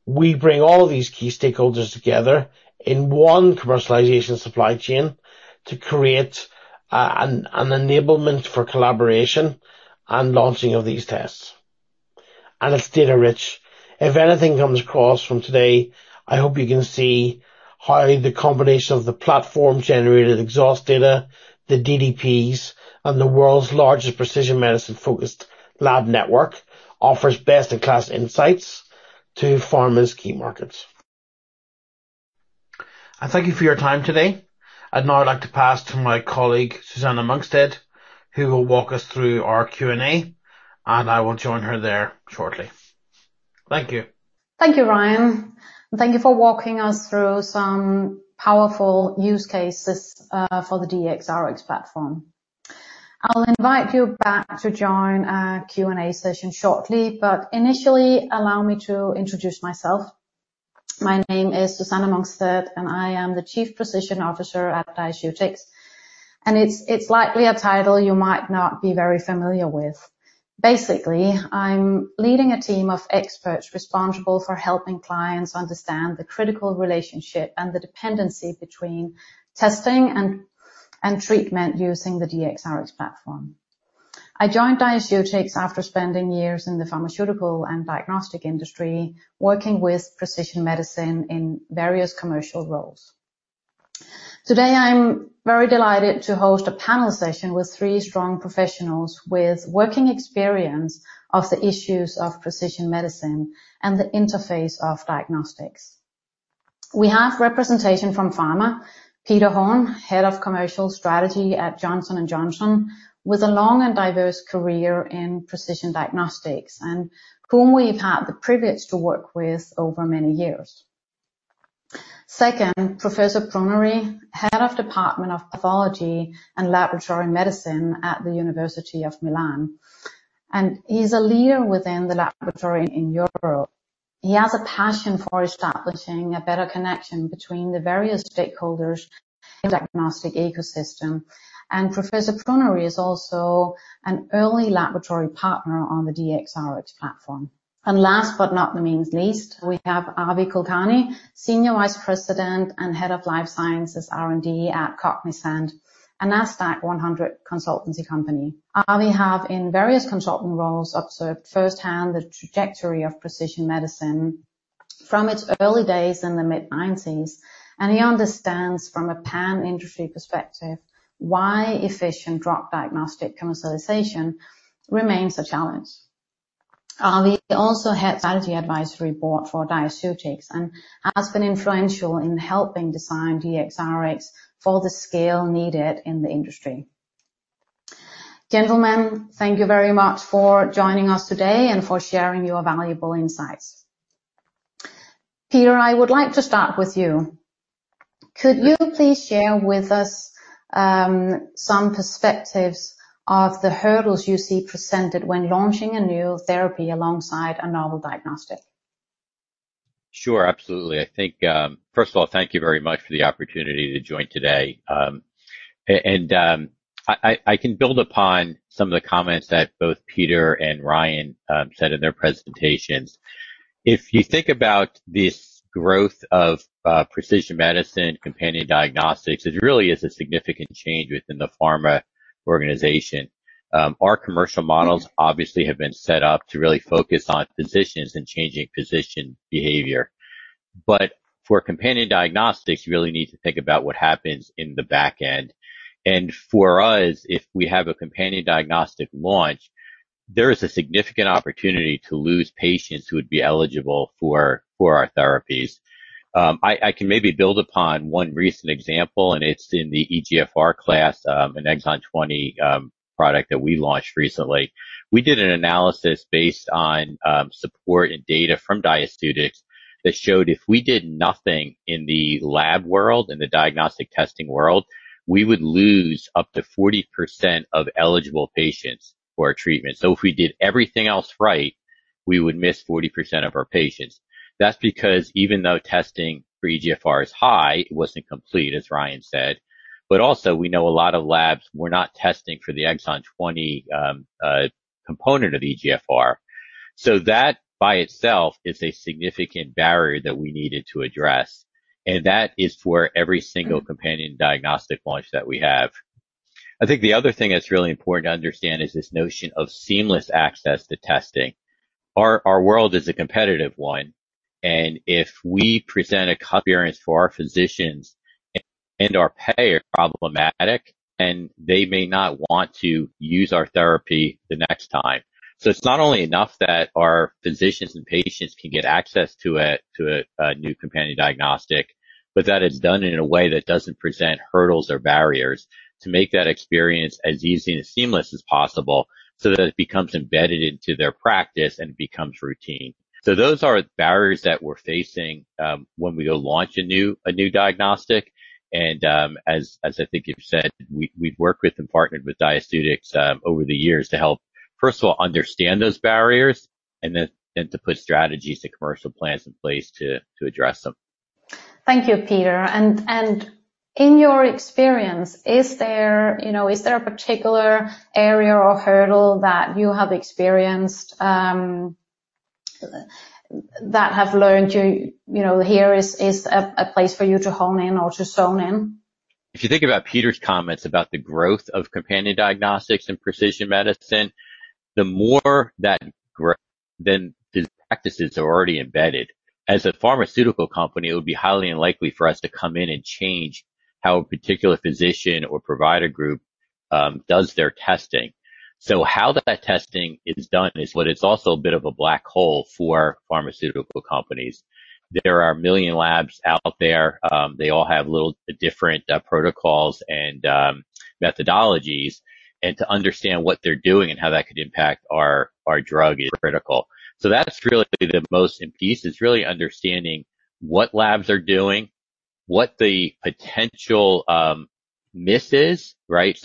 We bring all these key stakeholders together in one commercialization supply chain to create an enablement for collaboration and launching of these tests. It's data-rich. If anything comes across from today, I hope you can see how the combination of the platform-generated exhaust data, the DDPs, and the world's largest precision medicine-focused lab network offers best-in-class insights to pharma's key markets. Thank you for your time today. I'd now like to pass to my colleague, Susanne Munksted, who will walk us through our Q&A, and I will join her there shortly. Thank you. Thank you, Ryan. Thank you for walking us through some powerful use cases for the DxRx platform. I will invite you back to join our Q&A session shortly, but initially, allow me to introduce myself. My name is Susanne Munksted, and I am the Chief Precision Officer at Diaceutics. It's likely a title you might not be very familiar with. Basically, I'm leading a team of experts responsible for helping clients understand the critical relationship and the dependencies between testing and treatment using the DxRx platform. I joined Diaceutics after spending years in the pharmaceutical and diagnostic industry, working with precision medicine in various commercial roles. Today, I'm very delighted to host a panel session with three strong professionals with working experience of the issues of precision medicine and the interface of diagnostics. We have representation from pharma, Peter Hoehm, Head of Commercial Strategy at Johnson & Johnson, with a long and diverse career in precision diagnostics, and whom we've had the privilege to work with over many years. Second, Professor Pruneri, Head of Department of Pathology and Laboratory Medicine at the University of Milan, and he's a leader within the laboratory in Europe. He has a passion for establishing a better connection between the various stakeholders in the diagnostic ecosystem. Professor Pruneri is also an early laboratory partner on the DxRx platform. Last but not the least, we have Avi Kulkarni, Senior Vice President and Head of Life Sciences R&D at Cognizant, a Nasdaq-100 consultancy company. Avi have in various consultant roles observed firsthand the trajectory of precision medicine. From its early days in the mid-1990s, he understands from a pan-industry perspective why efficient drug diagnostic compensation remains a challenge. He also heads IT advisory board for Diaceutics and has been influential in helping design DxRx for the scale needed in the industry. Gentlemen, thank you very much for joining us today and for sharing your valuable insights. Peter, I would like to start with you. Could you please share with us some perspectives of the hurdles you see presented when launching a new therapy alongside a novel diagnostic? Sure, absolutely. First of all, thank you very much for the opportunity to join today. I can build upon some of the comments that both Peter and Ryan said in their presentations. If you think about this growth of precision medicine, companion diagnostics, it really is a significant change within the pharma organization. Our commercial models obviously have been set up to really focus on physicians and changing physician behavior. For companion diagnostics, you really need to think about what happens in the back end. For us, if we have a companion diagnostic launch, there is a significant opportunity to lose patients who would be eligible for our therapies. I can maybe build upon one recent example, and it's in the EGFR class, an exon 20 product that we launched recently. We did an analysis based on support and data from Diaceutics that showed if we did nothing in the lab world, in the diagnostic testing world, we would lose up to 40% of eligible patients for our treatment. If we did everything else right, we would miss 40% of our patients. That's because even though testing for EGFR is high, it wasn't complete, as Ryan said. Also, we know a lot of labs were not testing for the exon 20 component of EGFR. That by itself is a significant barrier that we needed to address. That is for every single companion diagnostic launch that we have. I think the other thing that's really important to understand is this notion of seamless access to testing. Our world is a competitive one. If we present a choppy appearance to our physicians and our payers are problematic, then they may not want to use our therapy the next time. It's not only enough that our physicians and patients can get access to a new companion diagnostic, but that is done in a way that doesn't present hurdles or barriers to make that experience as easy and seamless as possible so that it becomes embedded into their practice and becomes routine. Those are barriers that we're facing when we go launch a new diagnostic. As I think you said, we've worked with and partnered with Diaceutics over the years to help, first of all, understand those barriers and to put strategies to commercial plans in place to address them. Thank you, Peter. In your experience, is there a particular area or hurdle that you have experienced that have learned here is a place for you to hone in or to saw in? If you think about Peter's comments about the growth of companion diagnostics and precision medicine, the more that then these practices are already embedded. As a pharmaceutical company, it would be highly unlikely for us to come in and change how a particular physician or provider group does their testing. How that testing is done is what it's also a bit of a black hole for pharmaceutical companies. There are 1 million labs out there. They all have little different protocols and methodologies, and to understand what they're doing and how that could impact our drug is critical. That's really the most important piece is really understanding what labs are doing, what the potential miss is, right?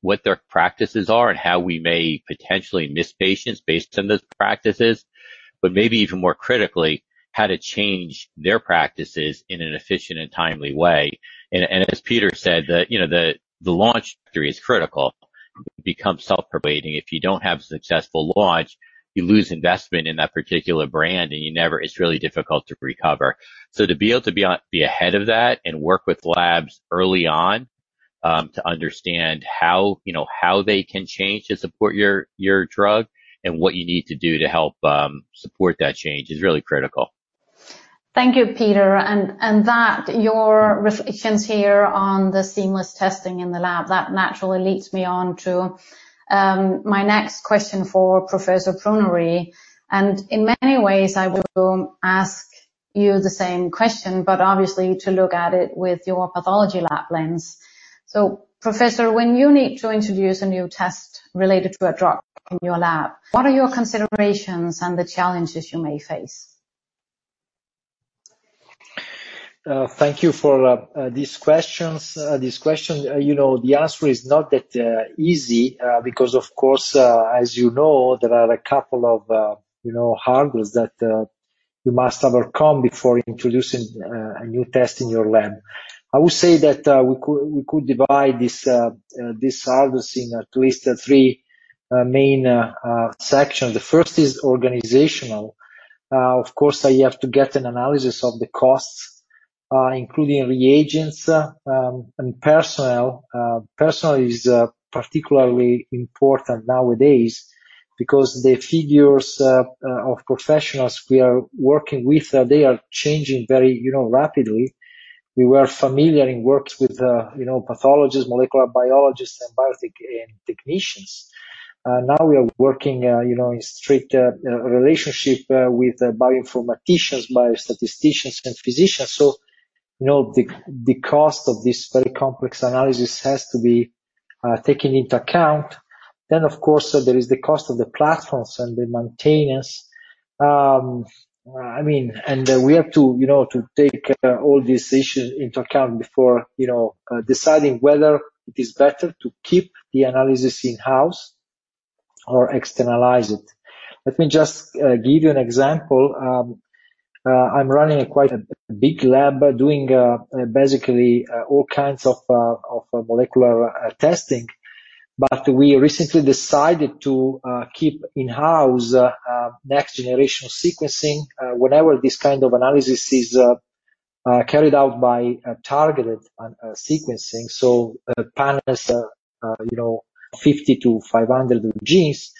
What their practices are and how we may potentially miss patients based on those practices, but maybe even more critically, how to change their practices in an efficient and timely way. As Peter Keeling said, the launch period is critical. It becomes self-perpetuating. If you don't have a successful launch, you lose investment in that particular brand, and it's really difficult to recover. To be able to be ahead of that and work with labs early on to understand how they can change to support your drug and what you need to do to help support that change is really critical. Thank you, Peter. Your reflections here on the seamless testing in the lab, that naturally leads me on to my next question for Giancarlo Pruneri. In many ways, I will ask you the same question, but obviously to look at it with your pathology lab lens. Professor, when you need to introduce a new test related to a drug in your lab, what are your considerations and the challenges you may face? Thank you for these questions. The answer is not that easy because of course, as you know, there are a couple of hurdles that you must overcome before introducing a new test in your lab. I would say that we could divide these hurdles in at least three main sections. The first is organizational. Of course, you have to get an analysis of the costs including reagents and personnel. Personnel is particularly important nowadays because the figures of professionals we are working with are changing very rapidly. We were familiar in works with pathologists, molecular biologists, and technicians. Now we are working in strict relationship with bioinformaticians, biostatisticians, and physicians. The cost of this very complex analysis has to be taken into account. Of course, there is the cost of the platforms and the maintenance. We have to take all these issues into account before deciding whether it is better to keep the analysis in-house or externalize it. Let me just give you an example. I am running quite a big lab doing basically all kinds of molecular testing. We recently decided to keep in-house next-generation sequencing, whenever this kind of analysis is carried out by targeted sequencing. Panels of 50-500 genes.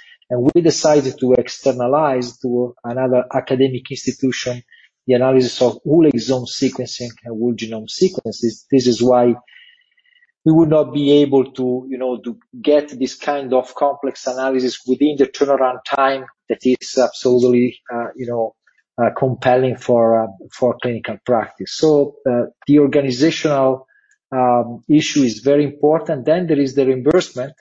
We decided to externalize to another academic institution the analysis of whole exome sequencing and whole genome sequences. This is why we would not be able to get this kind of complex analysis within the turnaround time that is absolutely compelling for clinical practice. The organizational issue is very important. There is the reimbursement,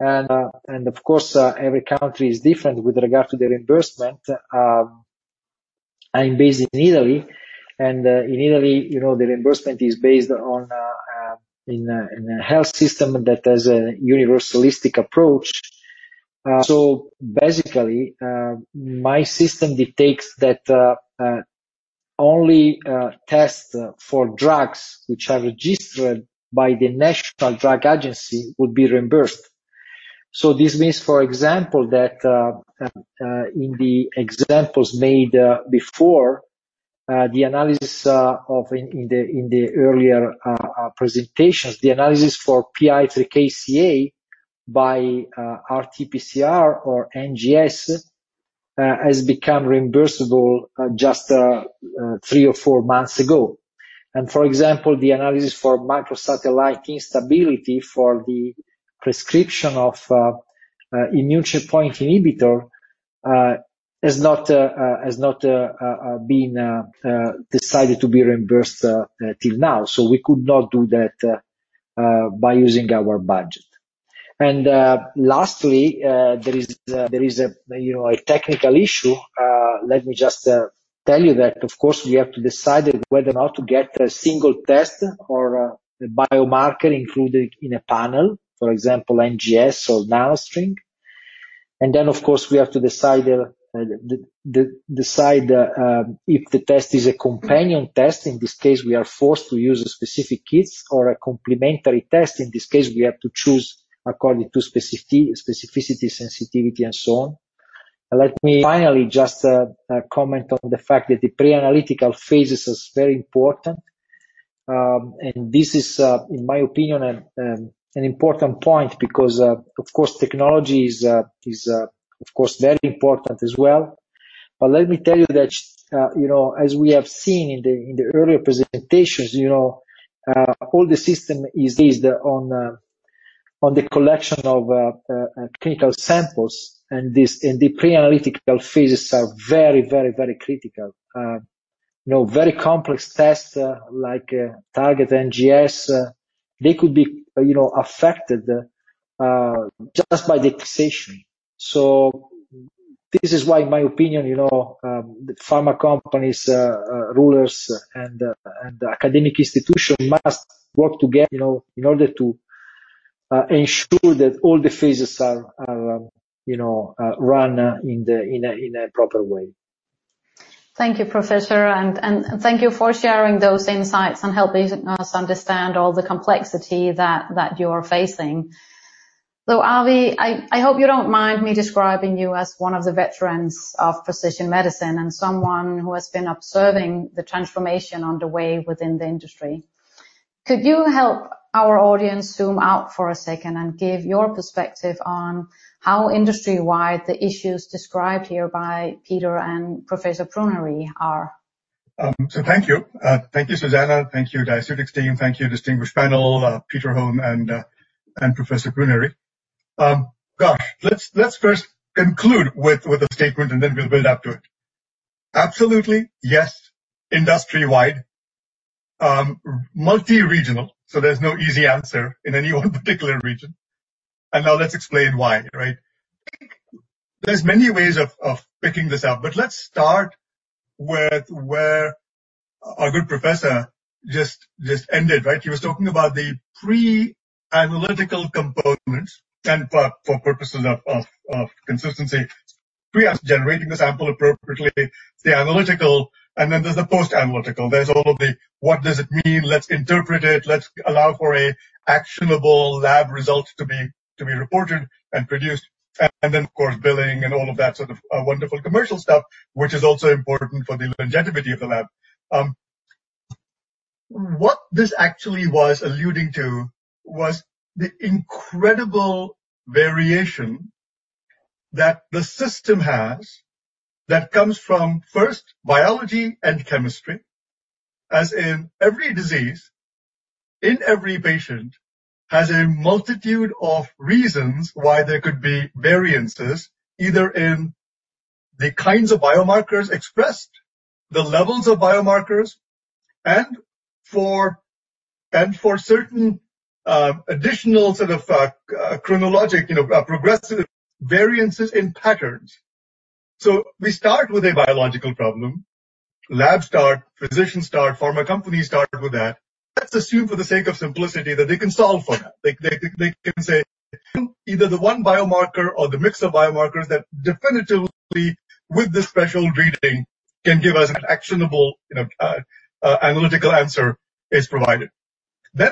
and of course, every country is different with regard to the reimbursement. I'm based in Italy. In Italy, the reimbursement is based on a health system that has a universalistic approach. Basically, my system dictates that only tests for drugs which are registered by the National Drug Agency will be reimbursed. This means, for example, that in the examples made before, the analysis in the earlier presentations, the analysis for PIK3CA by RT-PCR or NGS has become reimbursable just three or four months ago. For example, the analysis for microsatellite instability for the prescription of an immune checkpoint inhibitor has not been decided to be reimbursed until now. We could not do that by using our budget. Lastly, there is a technical issue. Let me just tell you that, of course, we have to decide whether or not to get a single test or a biomarker included in a panel, for example, NGS or downstream. Of course, we have to decide if the test is a companion test. In this case, we are forced to use specific kits or a complementary test. In this case, we have to choose according to specificity, sensitivity, and so on. Let me finally just comment on the fact that the pre-analytical phases are very important. This is, in my opinion, an important point because, of course, technology is very important as well. Let me tell you that as we have seen in the earlier presentations, all the system is based on the collection of clinical samples, and the pre-analytical phases are very critical. Very complex tests like target NGS could be affected just by the precision. This is why, in my opinion, the pharma companies, regulators, and academic institutions must work together in order to ensure that all the phases are run in a proper way. Thank you, Professor. Thank you for sharing those insights and helping us understand all the complexity that you're facing. Avi, I hope you don't mind me describing you as one of the veterans of precision medicine and someone who has been observing the transformation underway within the industry. Could you help our audience zoom out for a second and give your perspective on how industry-wide the issues described here by Peter and Professor Pruneri are? Thank you. Thank you, Susanne Munksted. Thank you, Diaceutics team. Thank you, distinguished panel, Peter Hoehm, and Professor Pruneri. Gosh, let's first conclude with a statement, and then we'll build up to it. Absolutely, yes, industry-wide, multi-regional, so there's no easy answer in any one particular region. Now let's explain why, right? There's many ways of picking this up, but let's start with where our good professor just ended, right? He was talking about the pre-analytical component, and for purposes of consistency, pre is generating the sample appropriately, the analytical, and then there's the post-analytical. There's all of the what does it mean, let's interpret it. Let's allow for actionable lab results to be reported and produced, and then, of course, billing and all of that sort of wonderful commercial stuff, which is also important for the longevity of the lab. What this actually was alluding to was the incredible variation that the system has that comes from, first, biology and chemistry, as in every disease in every patient has a multitude of reasons why there could be variances, either in the kinds of biomarkers expressed, the levels of biomarkers, and for certain additional sort of chronologic progressive variances in patterns. We start with a biological problem. Labs start, physicians start, pharma companies start with that. Let's assume for the sake of simplicity that they can solve for that. They can say either the one biomarker or the mix of biomarkers that definitively with the special reading can give us an actionable analytical answer is provided.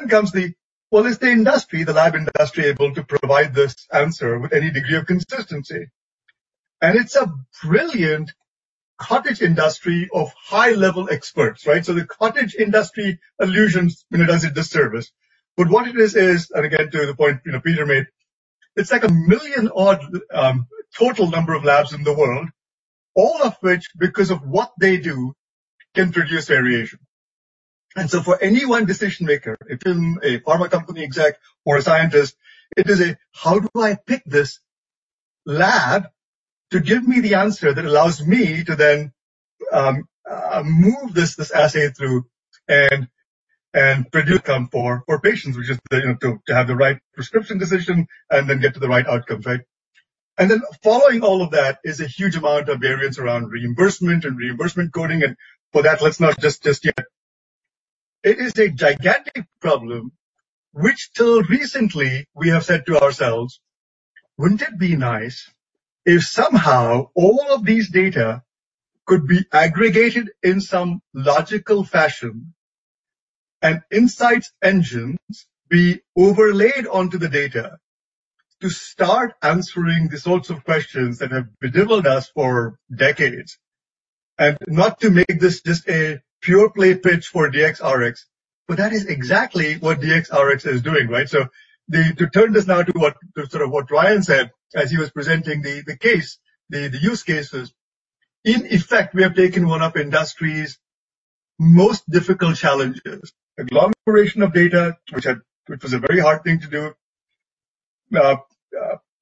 Comes the, well, is the industry, the lab industry, able to provide this answer with any degree of consistency? It's a brilliant cottage industry of high-level experts, right? The cottage industry allusions does a disservice. What it is, and again, to the point Peter made, it's like 1 million odd total number of labs in the world, all of which, because of what they do, can produce variation. For any one decision maker, if it is a pharma company exec or a scientist, it is a how do I pick this lab to give me the answer that allows me to then move this assay through and produce outcome for patients, which is to have the right prescription decision and then get to the right outcomes, right? Following all of that is a huge amount of variance around reimbursement and reimbursement coding, and for that, let's not discuss yet. It is a gigantic problem, which till recently we have said to ourselves, "Wouldn't it be nice if somehow all of these data could be aggregated in some logical fashion and insights engines be overlaid onto the data to start answering the sorts of questions that have bedeviled us for decades?" Not to make this just a pure play pitch for DxRx, but that is exactly what DxRx is doing, right? To turn this now to what Ryan said as he was presenting the use cases, in effect, we are taking one of industry's most difficult challenges, agglomeration of data, which is a very hard thing to do,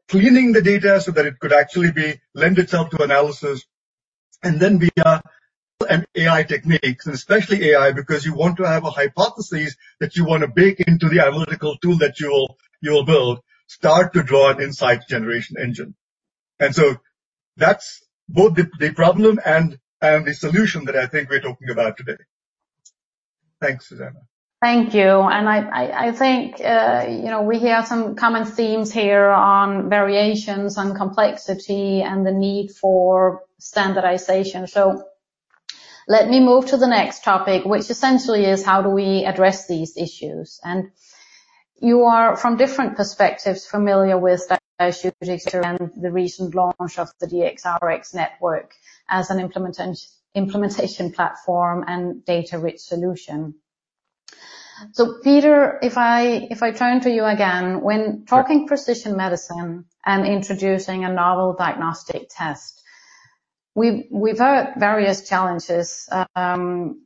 cleaning the data so that it could actually lend itself to analysis, and then via AI techniques, and especially AI, because you want to have a hypothesis that you want to bake into the analytical tool that you'll build, start to draw an insight generation engine. That's both the problem and the solution that I think we're talking about today. Thanks, Susanne. Thank you. I think we hear some common themes here on variations and complexity and the need for standardization. Let me move to the next topic, which essentially is how do we address these issues? You are, from different perspectives, familiar with Diaceutics around the recent launch of the DxRx network as an implementation platform and data-rich solution. Peter, if I turn to you again, when diving precision medicine and introducing a novel diagnostic test, we've heard various challenges raised over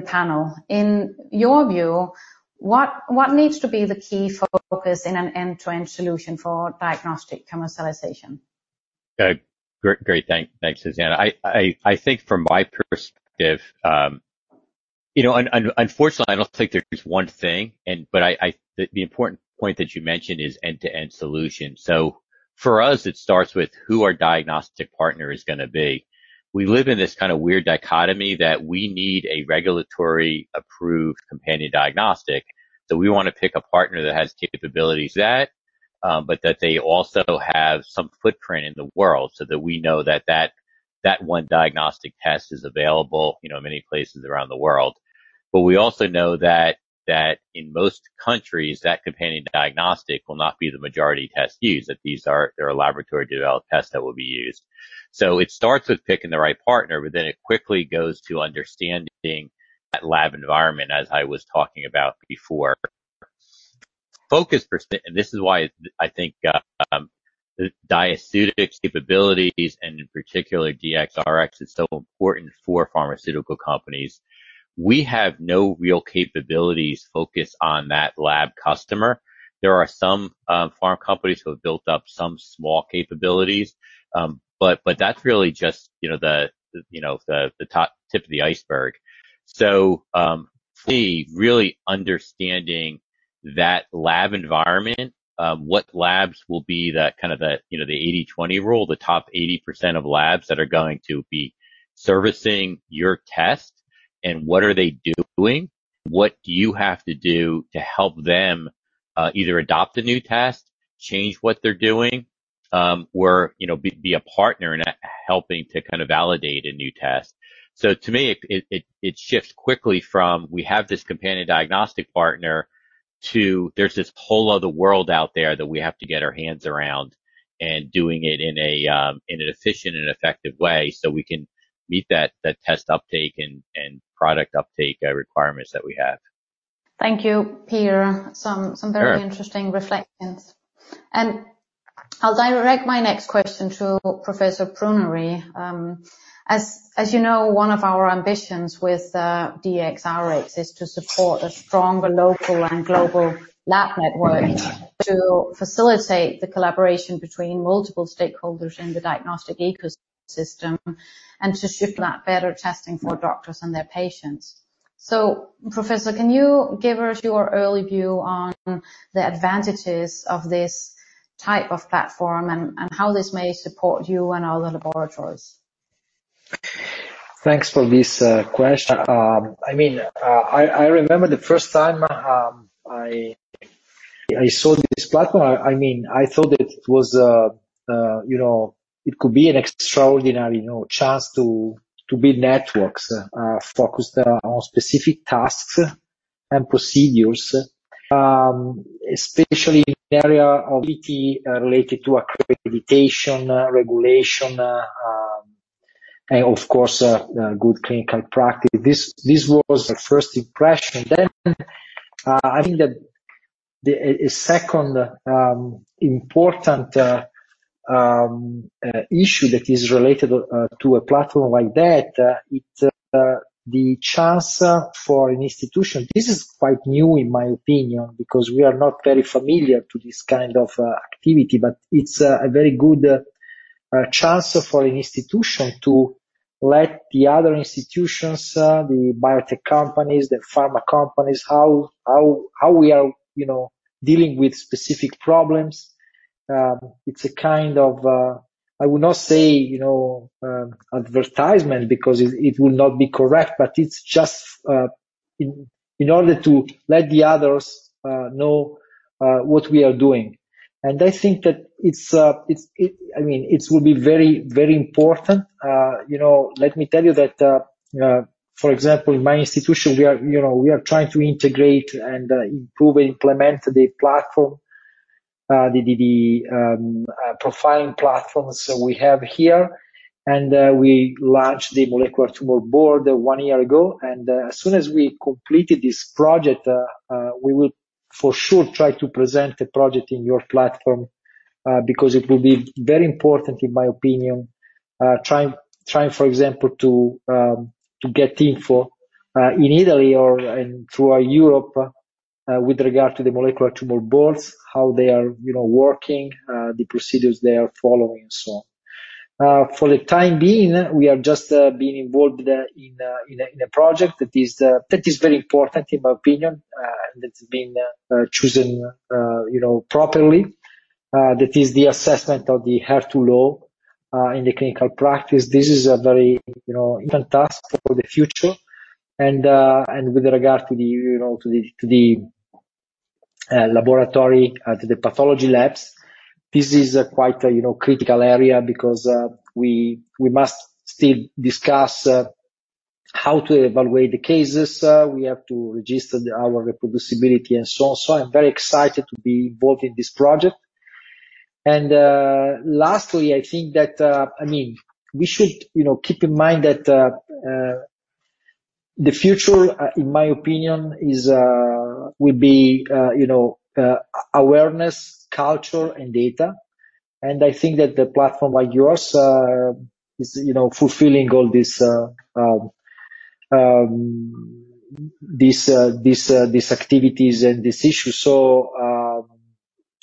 the panel. In your view, what needs to be the key focus in an end-to-end solution for diagnostic commercialization? Great, thanks, Susanne. I think from my perspective, unfortunately, I don't think there's one thing, but the important point that you mentioned is end-to-end solution. For us, it starts with who our diagnostic partner is going to be. We live in this kind of weird dichotomy that we need a regulatory-approved companion diagnostic. We want to pick a partner that has capabilities of that, but that they also have some footprint in the world so that we know that that one diagnostic test is available many places around the world. We also know that in most countries, that companion diagnostic will not be the majority test used, that these are laboratory-developed tests that will be used. It starts with picking the right partner, but then it quickly goes to understanding that lab environment, as I was talking about before. Focus perspective, this is why I think Diaceutics capabilities and in particular DxRx is so important for pharmaceutical companies. We have no real capabilities focused on that lab customer. There are some pharma companies who have built up some small capabilities, that's really just the tip of the iceberg. For me, really understanding that lab environment, what labs will be the 80/20 rule, the top 80% of labs that are going to be servicing your test, and what are they doing? What do you have to do to help them either adopt a new test, change what they're doing, or be a partner in helping to validate a new test? To me, it shifts quickly from we have this companion diagnostic partner To there's this whole other world out there that we have to get our hands around and doing it in an efficient and effective way so we can meet that test uptake and product uptake requirements that we have. Thank you, Peter. Some very interesting reflections. I'll direct my next question to Giancarlo Pruneri. As you know, one of our ambitions with DxRx is to support a stronger local and global lab network to facilitate the collaboration between multiple stakeholders in the diagnostic ecosystem and to ship out better testing for doctors and their patients. Professor, can you give us your early view on the advantages of this type of platform and how this may support you and other laboratories? Thanks for this question. I remember the first time I saw this platform, I thought that it could be an extraordinary chance to build networks focused on specific tasks and procedures, especially in the area of ET related to accreditation, regulation, and of course, good clinical practice. This was the first impression. I think the second important issue that is related to a platform like that, it's the chance for an institution. This is quite new in my opinion, because we are not very familiar to this kind of activity, but it's a very good chance for an institution to let the other institutions, the biotech companies, the pharma companies, how we are dealing with specific problems. It's a kind of, I would not say advertisement because it would not be correct, but it's just in order to let the others know what we are doing. I think that it will be very important. Let me tell you that, for example, in my institution, we are trying to integrate and improve, implement the platform, the profiling platforms that we have here. We launched the molecular tumor board one year ago. As soon as we completed this project, we will for sure try to present the project in your platform, because it will be very important, in my opinion, trying, for example, to get info in Italy and throughout Europe with regard to the molecular tumor boards, how they are working, the procedures they are following, so on. For the time being, we have just been involved in a project that is very important, in my opinion, and it's been chosen properly. That is the assessment of the HER2 low in the clinical practice. This is a very important task for the future. With regard to the laboratory at the pathology labs, this is quite a critical area because we must still discuss how to evaluate the cases. We have to register our reproducibility and so on. I'm very excited to be involved in this project. Lastly, I think that we should keep in mind that the future, in my opinion, will be awareness, culture, and data. I think that the platform like yours is fulfilling all these activities and these issues.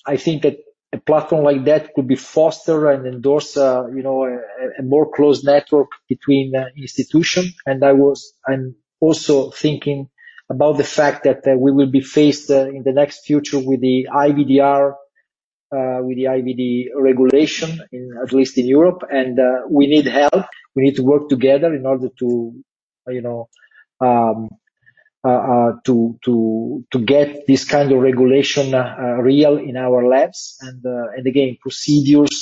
I think that a platform like that could foster and endorse a more close network between institutions. I'm also thinking about the fact that we will be faced in the next future with the IVDR, with the IVD regulation, at least in Europe. We need help. We need to work together in order to get this kind of regulation real in our labs. Again, procedures,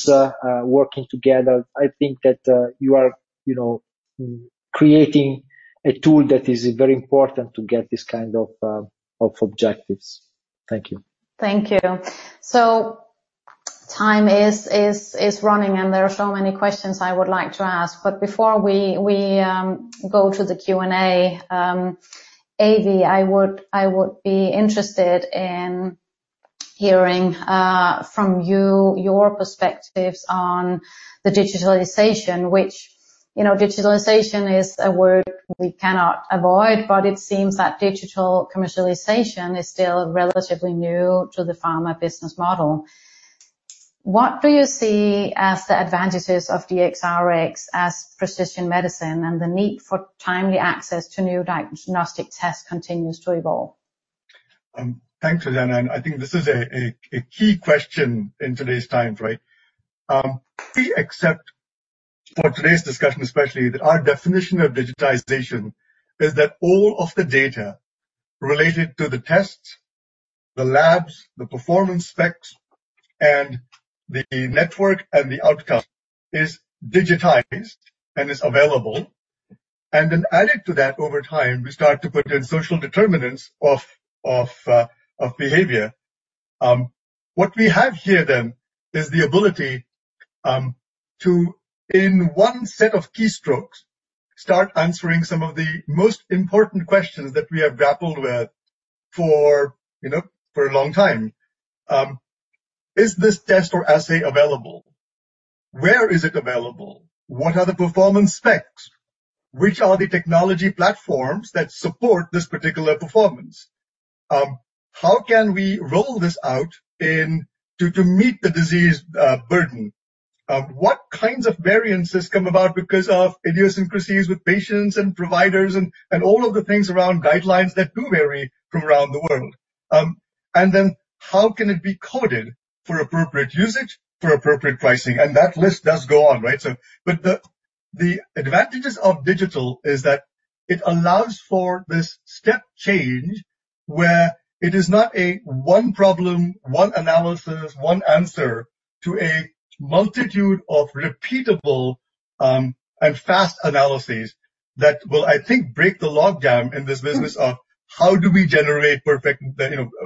working together, I think that you are creating a tool that is very important to get this kind of objectives. Thank you. Thank you. Time is running, and there are so many questions I would like to ask. Before we go to the Q&A, Avi, I would be interested in hearing from you your perspectives on the digitalization, which digitalization is a word we cannot avoid, but it seems that digital commercialization is still relatively new to the pharma business model. What do you see as the advantages of DxRx as precision medicine and the need for timely access to new diagnostic tests continues to evolve? Thanks, Susanne, I think this is a key question in today's times, right? We accept for today's discussion, especially our definition of digitization, is that all of the data related to the tests, the labs, the performance specs, and the network and the outcome is digitized and is available. Then added to that over time, we start to put in social determinants of behavior. What we have here then is the ability to, in one set of keystrokes, start answering some of the most important questions that we have grappled with for a long time. Is this test or assay available? Where is it available? What are the performance specs? Which are the technology platforms that support this particular performance? How can we roll this out to meet the disease burden? What kinds of variances come about because of idiosyncrasies with patients and providers and all of the things around guidelines that do vary from around the world? How can it be coded for appropriate usage, for appropriate pricing? That list does go on. The advantages of digital is that it allows for this step change, where it is not a one problem, one analysis, one answer to a multitude of repeatable and fast analyses that will, I think, break the logjam in this business of how do we generate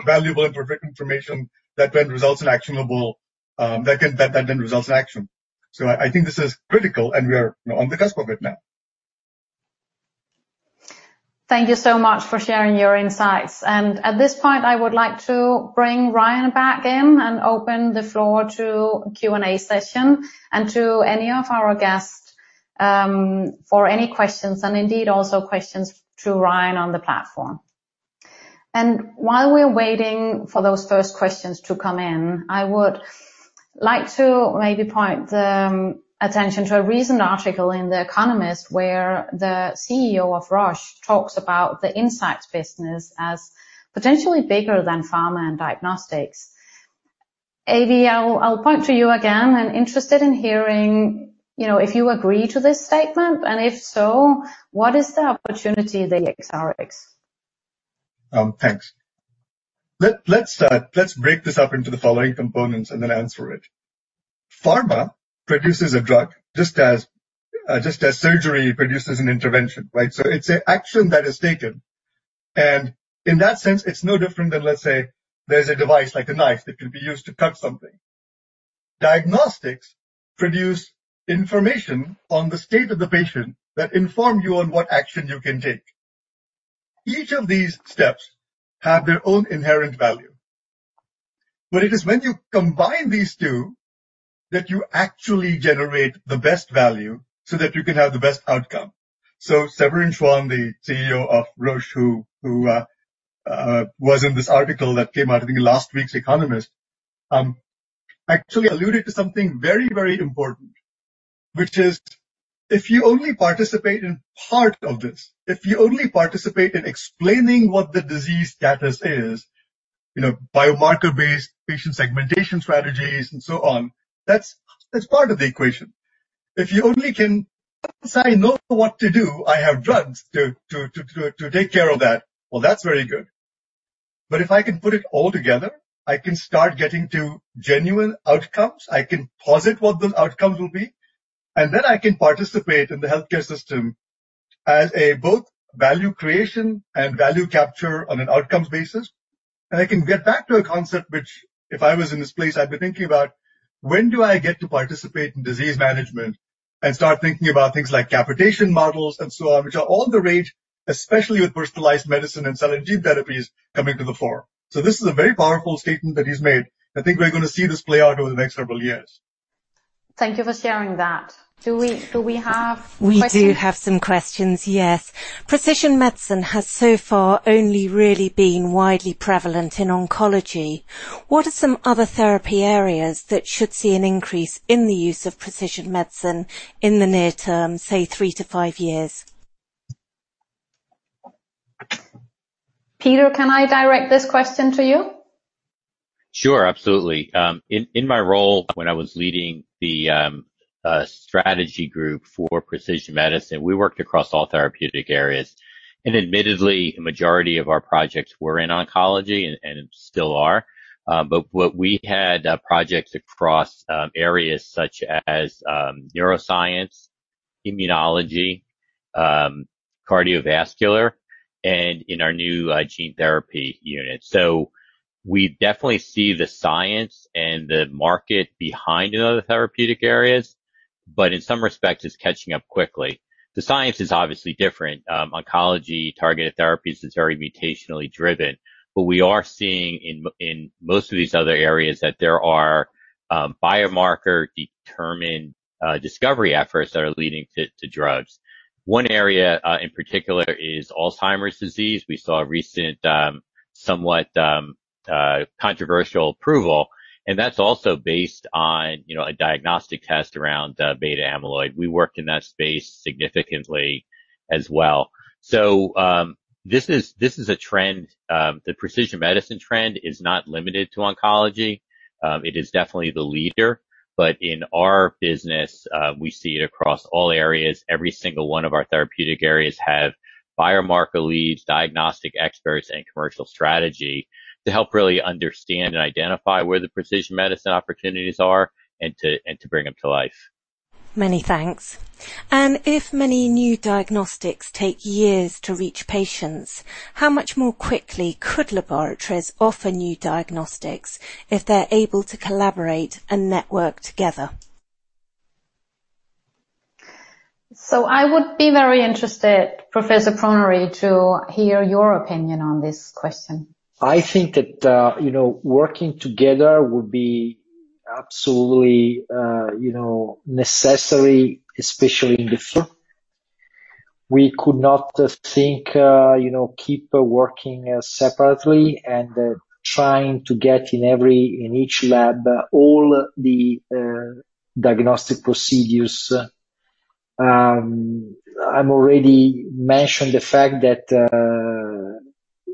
valuable and perfect information that then results in action. I think this is critical, and we are on the cusp of it now. Thank you so much for sharing your insights. At this point, I would like to bring Ryan back in and open the floor to a Q&A session and to any of our guests for any questions, and indeed also questions to Ryan on the platform. While we're waiting for those first questions to come in, I would like to maybe point the attention to a recent article in "The Economist" where the CEO of Roche talks about the insights business as potentially bigger than pharma and diagnostics. Avi, I'll point to you again. I'm interested in hearing if you agree to this statement, and if so, what is the opportunity there, if so? Thanks. Let's break this up into the following components and then answer it. Pharma produces a drug just as surgery produces an intervention. It's an action that is taken, and in that sense, it's no different than, let's say, there's a device like a knife that can be used to cut something. Diagnostics produce information on the state of the patient that inform you on what action you can take. Each of these steps have their own inherent value. It is when you combine these two that you actually generate the best value so that you can have the best outcome. Severin Schwan, the CEO of Roche, who was in this article that came out in last week's "The Economist," actually alluded to something very important, which is if you only participate in part of this, if you only participate in explaining what the disease status is, biomarker-based patient segmentation strategies and so on, that's part of the equation. If you only can say, "I know what to do, I have drugs to take care of that," well, that's very good. If I can put it all together, I can start getting to genuine outcomes. I can posit what those outcomes will be, and then I can participate in the healthcare system as a both value creation and value capture on an outcomes basis. I can get back to a concept which if I was in his place, I'd be thinking about when do I get to participate in disease management and start thinking about things like capitation models and so on, which are all the rage, especially with precision medicine and cell and gene therapies coming to the fore. This is a very powerful statement that he's made. I think we're going to see this play out over the next several years. Thank you for sharing that. Do we have questions? We do have some questions, yes. Precision medicine has so far only really been widely prevalent in oncology. What are some other therapy areas that should see an increase in the use of precision medicine in the near term, say, 3-5 years? Peter, can I direct this question to you? Sure, absolutely. In my role when I was leading the strategy group for precision medicine, we worked across all therapeutic areas, and admittedly, the majority of our projects were in oncology and still are. We had projects across areas such as neuroscience, immunology, cardiovascular, and in our new gene therapy unit. We definitely see the science and the market behind the other therapeutic areas, but in some respects, it's catching up quickly. The science is obviously different. Oncology, targeted therapies is very mutationally driven. We are seeing in most of these other areas that there are biomarker determined discovery efforts that are leading to drugs. One area in particular is Alzheimer's disease. We saw a recent somewhat controversial approval, and that's also based on a diagnostic test around beta-amyloid. We work in that space significantly as well. This is a trend. The precision medicine trend is not limited to oncology. It is definitely the leader. In our business, we see it across all areas. Every single one of our therapeutic areas have biomarker leads, diagnostic experts, and commercial strategy to help really understand and identify where the precision medicine opportunities are and to bring them to life. Many thanks. If many new diagnostics take years to reach patients, how much more quickly could laboratories offer new diagnostics if they're able to collaborate and network together? I would be very interested, Professor Pruneri, to hear your opinion on this question. I think that working together would be absolutely necessary, especially in the future. We could not keep working separately and trying to get in each lab all the diagnostic procedures. I already mentioned the fact that,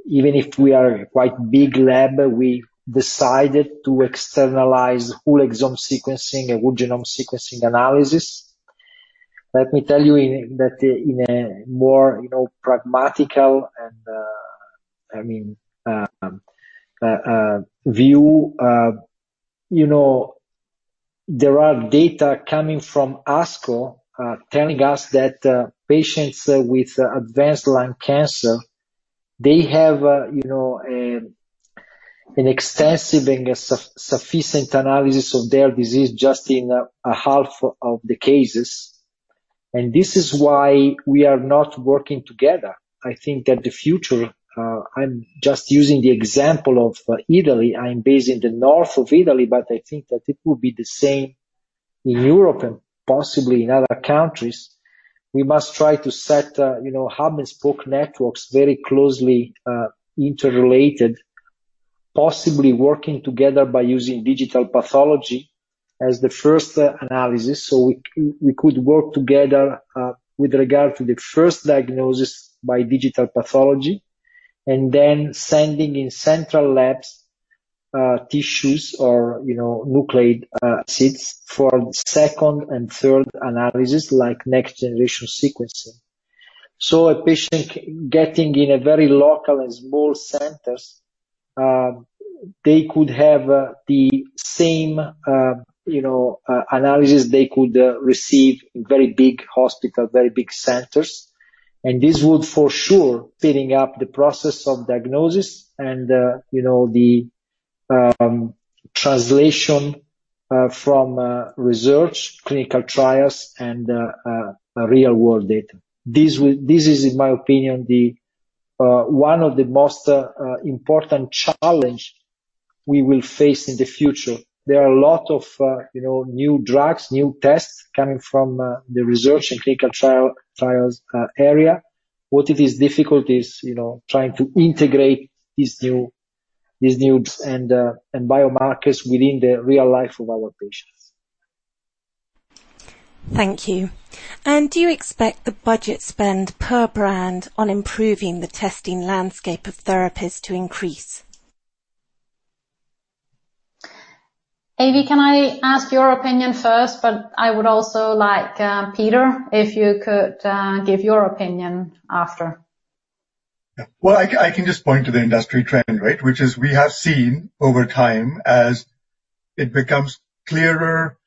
even if we are quite big lab, we decided to externalize whole exome sequencing and whole genome sequencing analysis. Let me tell you in a more pragmatic and, I mean, view. There are data coming from ASCO telling us that patients with advanced lung cancer, they have an extensive and a sufficient analysis of their disease just in a half of the cases. This is why we are not working together. I think that the future, I am just using the example of Italy. I am based in the north of Italy, but I think that it will be the same in Europe and possibly in other countries. We must try to set hub and spoke networks very closely interrelated, possibly working together by using digital pathology as the first analysis. We could work together with regard to the first diagnosis by digital pathology, and then sending in central labs, tissues or nucleic acids for second and third analysis, like next-generation sequencing. A patient getting in a very local and small centers, they could have the same analysis they could receive very big hospital, very big centers, and this would, for sure, speeding up the process of diagnosis and the translation from research, clinical trials, and real-world data. This is, in my opinion, one of the most important challenge we will face in the future. There are a lot of new drugs, new tests coming from the research and clinical trials area. What it is difficult is trying to integrate these new and biomarkers within the real life of our patients. Thank you. Do you expect the budget spend per brand on improving the testing landscape of therapies to increase? Avi, can I ask your opinion first, but I would also like, Peter, if you could give your opinion after? Well, I can just point to the industry trend, which is we have seen over time as it becomes clearer,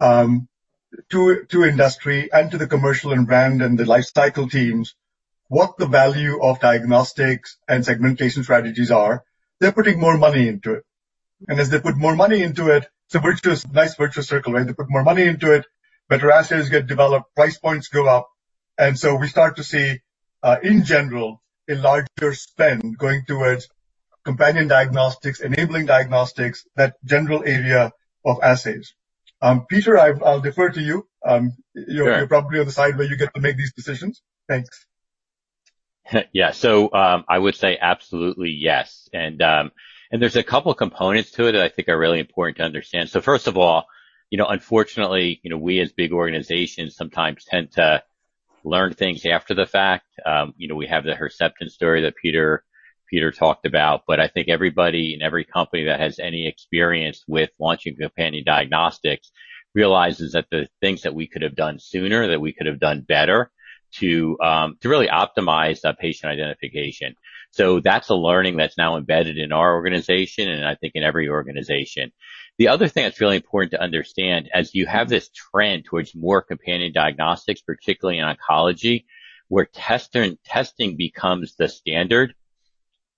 to industry and to the commercial and brand and the life cycle teams what the value of diagnostics and segmentation strategies are. They're putting more money into it. As they put more money into it's a nice virtuous circle, right? They put more money into it, better assays get developed, price points go up. We start to see, in general, a larger spend going towards companion diagnostics, enabling diagnostics, that general area of assays. Peter, I'll defer to you. Sure. You're probably on the side where you get to make these decisions. Thanks. I would say absolutely yes, and there are two components to it that I think are really important to understand. First of all, unfortunately, we as big organizations sometimes tend to learn things after the fact. We have the Herceptin story that Peter talked about, but I think everybody in every company that has any experience with launching companion diagnostics realizes that the things that we could have done sooner, that we could have done better to really optimize patient identification. That's a learning that's now embedded in our organization, and I think in every organization. The other thing that's really important to understand, as you have this trend towards more companion diagnostics, particularly in oncology, where testing becomes the standard,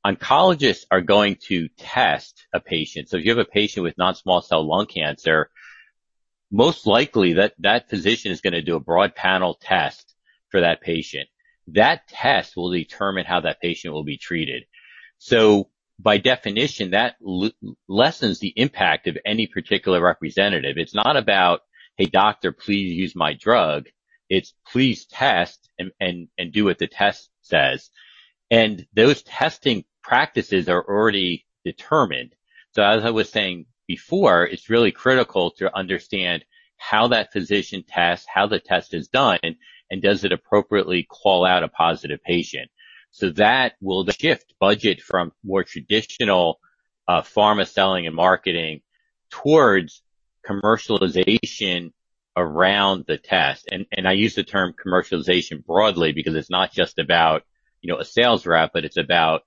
oncologists are going to test a patient. If you have a patient with non-small cell lung cancer, most likely that physician is going to do a broad panel test for that patient. That test will determine how that patient will be treated. By definition, that lessens the impact of any particular representative. It's not about, "Hey, doctor, please use my drug." It's, "Please test and do what the test says." Those testing practices are already determined. As I was saying before, it's really critical to understand how that physician tests, how the test is done, and does it appropriately call out a positive patient. That will shift budget from more traditional pharma selling and marketing towards commercialization around the test. I use the term commercialization broadly because it's not just about a sales rep, but it's about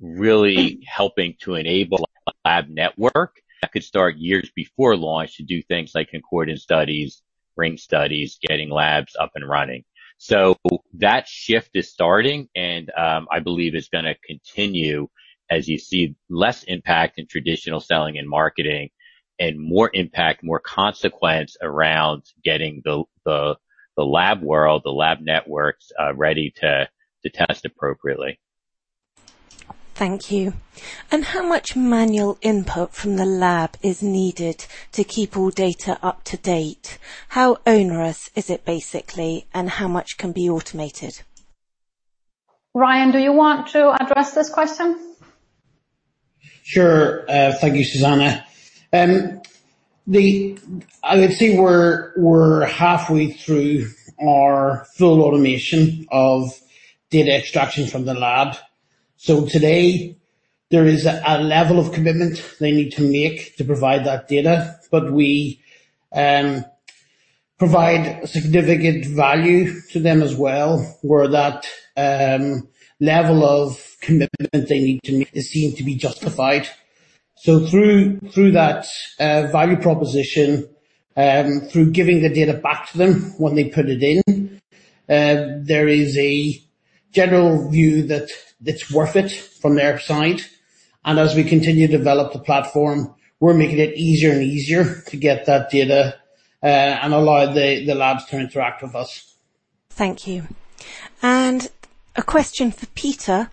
really helping to enable a lab network that could start years before launch to do things like concordant studies, ring studies, getting labs up and running. That shift is starting and I believe is going to continue as you see less impact in traditional selling and marketing and more impact, more consequence around getting the lab world, the lab networks ready to test appropriately. Thank you. How much manual input from the lab is needed to keep all data up to date? How onerous is it basically, and how much can be automated? Ryan, do you want to address this question? Sure. Thank you, Susanne. I would say we're halfway through our full automation of data extraction from the lab. Today, there is a level of commitment they need to make to provide that data, but we provide significant value to them as well, where that level of commitment they need to make is seen to be justified. Through that value proposition, through giving the data back to them when they put it in, there is a general view that it's worth it from their side. As we continue to develop the platform, we're making it easier and easier to get that data and allow the labs to interact with us. Thank you. A question for Peter.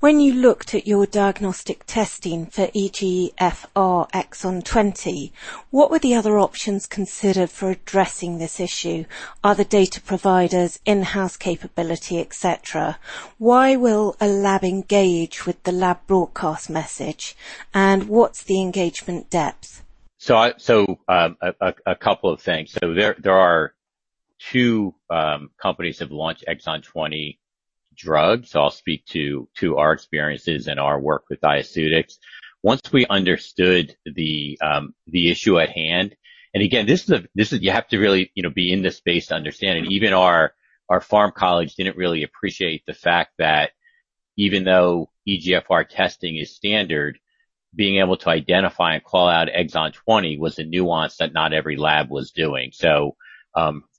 When you looked at your diagnostic testing for EGFR exon 20, what were the other options considered for addressing this issue? Other data providers, in-house capability, et cetera. Why will a lab engage with the lab broadcast message? What's the engagement depth? A couple of things. There are two companies that have launched Exon 20 drugs. I'll speak to our experiences and our work with Diaceutics. Once we understood the issue at hand, and again, you have to really be in this space to understand. Even our pharm colleagues didn't really appreciate the fact that even though EGFR testing is standard, being able to identify and call out Exon 20 was a nuance that not every lab was doing.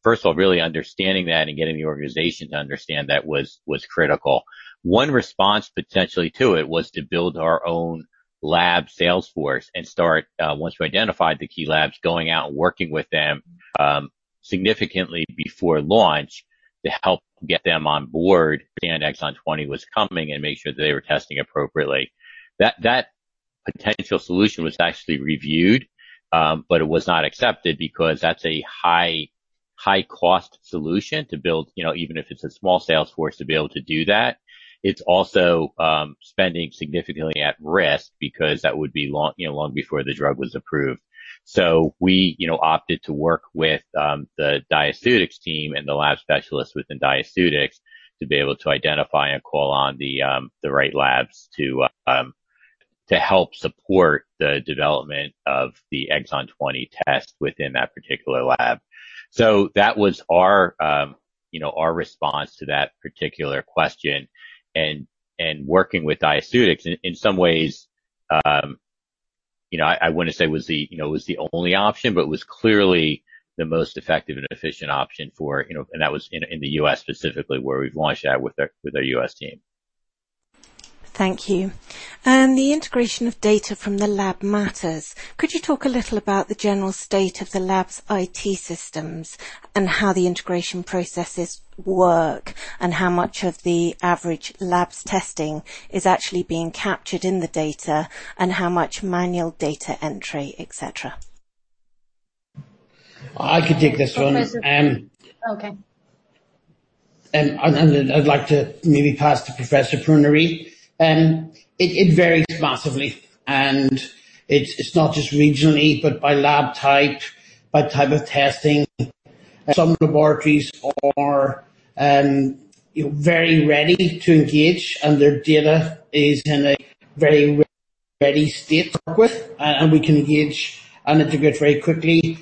First of all, really understanding that and getting the organization to understand that was critical. One response potentially to it was to build our own lab sales force and start, once we identified the key labs, going out and working with them significantly before launch to help get them on board, understand Exon 20 was coming and make sure they were testing appropriately. That potential solution was actually reviewed. It was not accepted because that's a high-cost solution to build, even if it's a small sales force to be able to do that. It's also spending significantly at risk because that would be long before the drug was approved. We opted to work with the Diaceutics team and the lab specialists within Diaceutics to be able to identify and call on the right labs to help support the development of the Exon 20 test within that particular lab. That was our response to that particular question. Working with Diaceutics in some ways, I wouldn't say was the only option, but was clearly the most effective and efficient option for. That was in the U.S. specifically where we launched that with our U.S. team. Thank you. The integration of data from the lab matters. Could you talk a little about the general state of the lab's IT systems and how the integration processes work, and how much of the average lab's testing is actually being captured in the data and how much manual data entry, et cetera? I can take this one. Okay. I'd like to maybe pass to Giancarlo Pruneri. It varies massively, and it's not just regionally, but by lab type, by type of testing. Some laboratories are very ready to engage, and their data is in a very ready state to work with, and we can engage and integrate very quickly.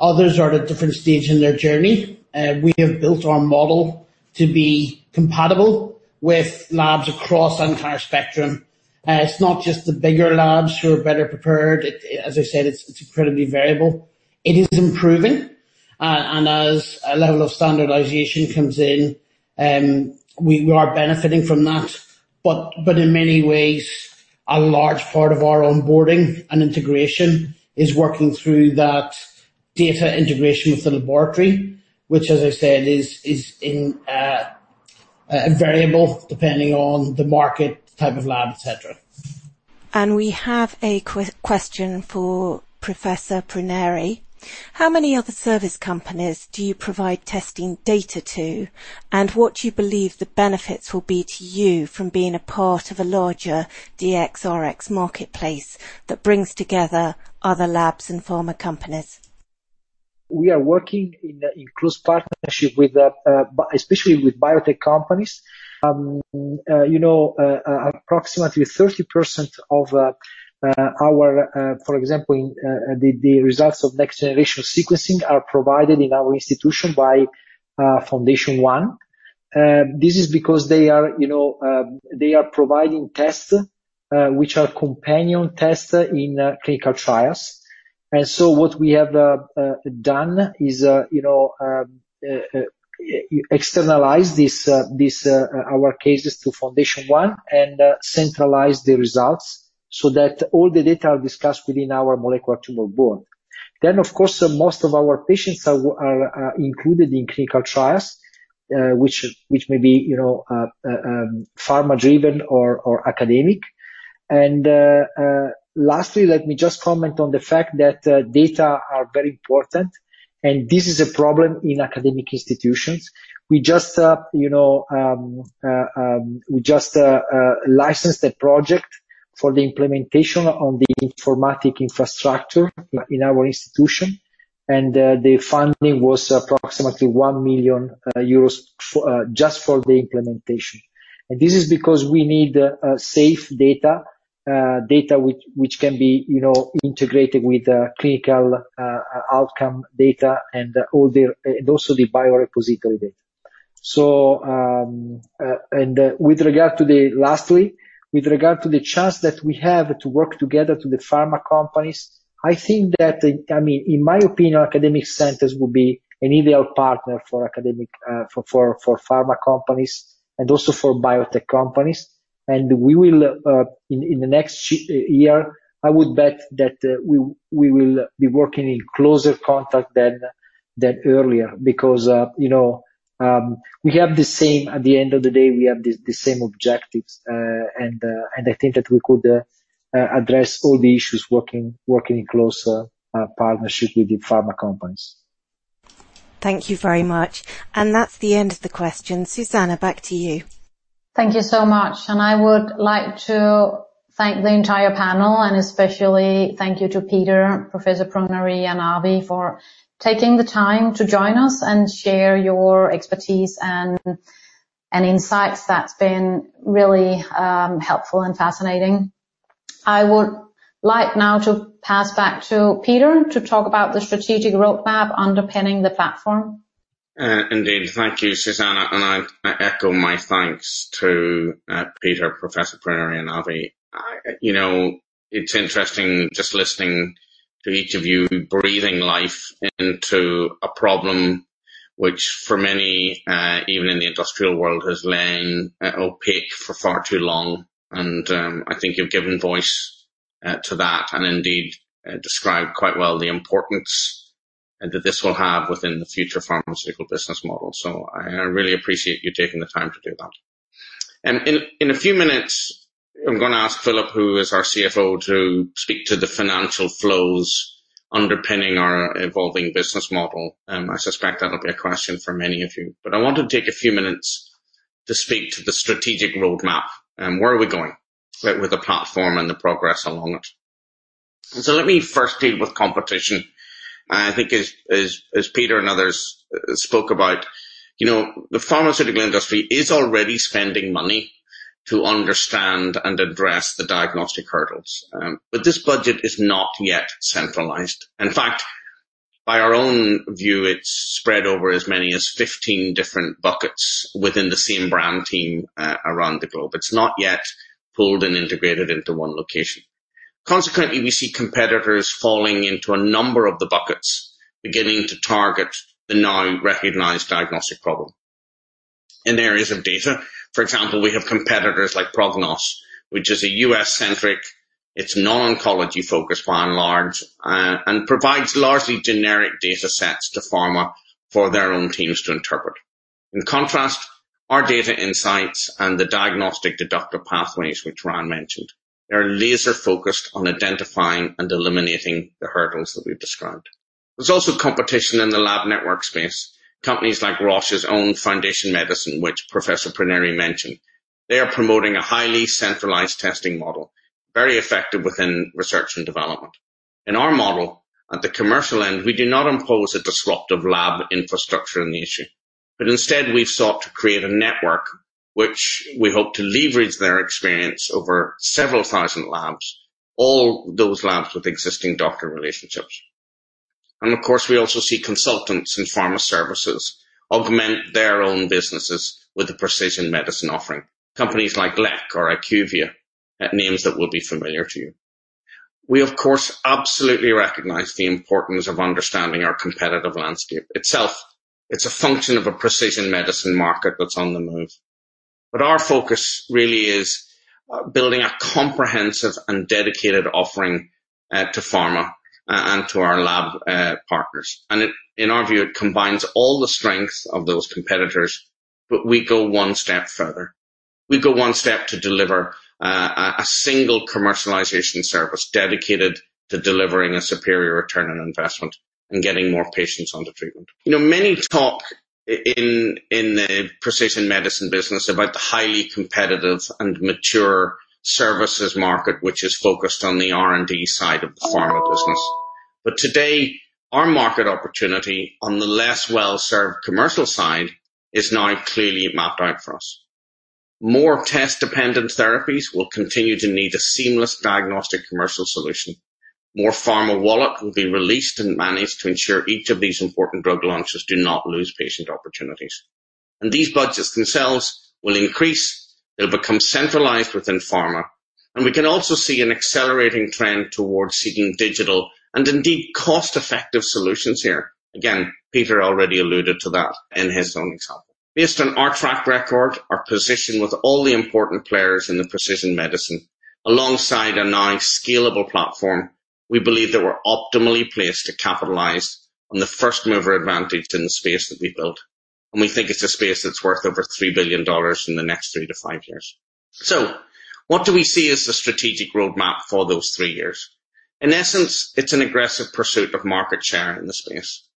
Others are at a different stage in their journey. We have built our model to be compatible with labs across the entire spectrum. It's not just the bigger labs who are better prepared. As I said, it's incredibly variable. It is improving, and as a level of standardization comes in, we are benefiting from that. In many ways, a large part of our onboarding and integration is working through that data integration with the laboratory, which as I said, is variable depending on the market, type of lab, et cetera. We have a question for Giancarlo Pruneri. How many other service companies do you provide testing data to, and what do you believe the benefits will be to you from being a part of a larger DxRx marketplace that brings together other labs and pharma companies? We are working in close partnership, especially with biotech companies. Approximately 30% of our, for example, the results of next-generation sequencing are provided in our institution by FoundationOne. This is because they are providing tests, which are companion tests in clinical trials. What we have done is externalize our cases to FoundationOne and centralize the results so that all the data are discussed within our molecular tumor board. Of course, most of our patients are included in clinical trials which may be pharma driven or academic. Lastly, let me just comment on the fact that data are very important, and this is a problem in academic institutions. We just licensed a project for the implementation of the informatic infrastructure in our institution, and the funding was approximately 1 million euros just for the implementation. This is because we need safe data which can be integrated with clinical outcome data and also the biorepository data. Lastly, with regard to the chance that we have to work together to the pharma companies, in my opinion, academic centers will be an ideal partner for pharma companies and also for biotech companies. In the next year, I would bet that we will be working in closer contact than earlier because, at the end of the day, we have the same objectives. I think that we could address all the issues working in closer partnership with the pharma companies. Thank you very much. That's the end of the questions. Susanne, back to you. Thank you so much. I would like to thank the entire panel, especially thank you to Peter Keeling, Giancarlo Pruneri, and Avi for taking the time to join us and share your expertise and insights. That's been really helpful and fascinating. I would like now to pass back to Peter Keeling to talk about the strategic roadmap underpinning the platform. Indeed. Thank you, Susanne, I echo my thanks to Peter, Professor Pruneri, and Avi. It's interesting just listening to each of you breathing life into a problem which for many, even in the industrial world, has lain opaque for far too long. I think you've given voice to that indeed described quite well the importance that this will have within the future pharmaceutical business model. I really appreciate you taking the time to do that. In a few minutes, I'm going to ask Philip, who is our CFO, to speak to the financial flows underpinning our evolving business model. I suspect that'll be a question for many of you. I want to take a few minutes to speak to the strategic roadmap and where are we going with the platform and the progress along it. Let me first deal with competition. I think as Peter and others spoke about, the pharmaceutical industry is already spending money to understand and address the diagnostic hurdles. This budget is not yet centralized. In fact, by our own view, it's spread over as many as 15 different buckets within the same brand team around the globe. It's not yet pulled and integrated into one location. Consequently, we see competitors falling into a number of the buckets beginning to target the now recognized diagnostic problem. In areas of data, for example, we have competitors like Prognos Health, which is a U.S.-centric, it's non-oncology focused by and large, and provides largely generic data sets to pharma for their own teams to interpret. In contrast, our data insights and the Diagnostic Deductive Pathways, which Ryan Keeling mentioned, they're laser-focused on identifying and eliminating the hurdles that we've described. There's also competition in the lab network space. Companies like Roche's own Foundation Medicine, which Professor Pruneri mentioned. They are promoting a highly centralized testing model, very effective within research and development. In our model, at the commercial end, we do not impose a disruptive lab infrastructure on the issue, but instead we've sought to create a network which we hope to leverage their experience over several thousand labs, all those labs with existing doctor relationships. Of course, we also see consultants and pharma services augment their own businesses with a precision medicine offering. Companies like L.E.K. or IQVIA, names that will be familiar to you. We of course, absolutely recognize the importance of understanding our competitive landscape. Itself, it's a function of a precision medicine market that's on the move. Our focus really is building a comprehensive and dedicated offering to pharma and to our lab partners. In our view, it combines all the strengths of those competitors, but we go one step further. We go one step to deliver a single commercialization service dedicated to delivering a superior return on investment and getting more patients on the treatment. Many talk in the precision medicine business about the highly competitive and mature services market, which is focused on the R&D side of the pharma business. Today, our market opportunity on the less well-served commercial side is now clearly mapped out for us. More test-dependent therapies will continue to need a seamless diagnostic commercial solution. More pharma wallet will be released and managed to ensure each of these important drug launches do not lose patient opportunities. These budgets themselves will increase. They'll become centralized within pharma, and we can also see an accelerating trend towards seeking digital and indeed cost-effective solutions here. Peter Keeling already alluded to that in his opening comments. Based on our track record, our position with all the important players in the precision medicine, alongside a nice scalable platform, we believe that we're optimally placed to capitalize on the first-mover advantage in the space that we built, and we think it's a space that's worth over $3 billion in the next 3-5 years. What do we see as the strategic roadmap for those three years? In essence, it's an aggressive pursuit of market share in the space.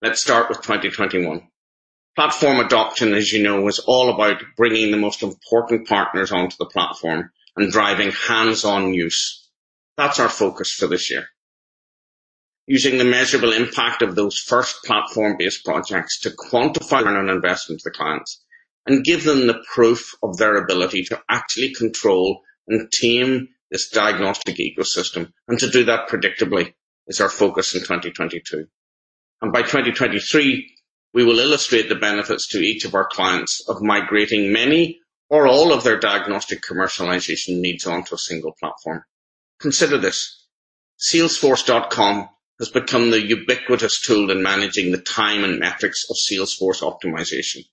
Let's start with 2021. Platform adoption, as you know, is all about bringing the most important partners onto the platform and driving hands-on use. That's our focus for this year. Using the measurable impact of those first platform-based projects to quantify our return on investment for clients and give them the proof of their ability to actually control and tame this diagnostic ecosystem and to do that predictably is our focus in 2022. By 2023, we will illustrate the benefits to each of our clients of migrating many or all of their diagnostic commercialization needs onto a single platform. Consider this, Salesforce.com has become the ubiquitous tool in managing the time and metrics of sales force optimization.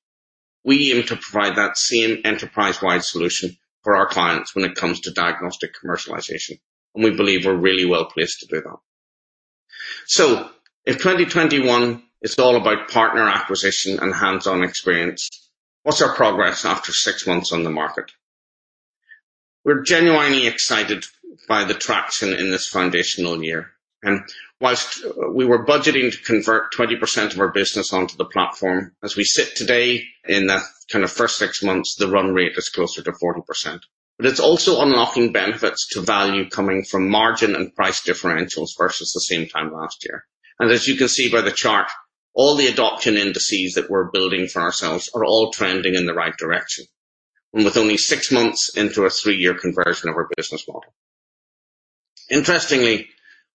We aim to provide that same enterprise-wide solution for our clients when it comes to diagnostic commercialization, and we believe we're really well-placed to do that. In 2021, it's all about partner acquisition and hands-on experience. What's our progress after six months on the market? We're genuinely excited by the traction in this foundational year, whilst we were budgeting to convert 20% of our business onto the platform, as we sit today in that kind of first six months, the run rate is closer to 40%. It's also unlocking benefits to value coming from margin and price differentials versus the same time last year. As you can see by the chart, all the adoption indices that we're building for ourselves are all trending in the right direction, and with only six months into a three-year conversion of our business model. Interestingly,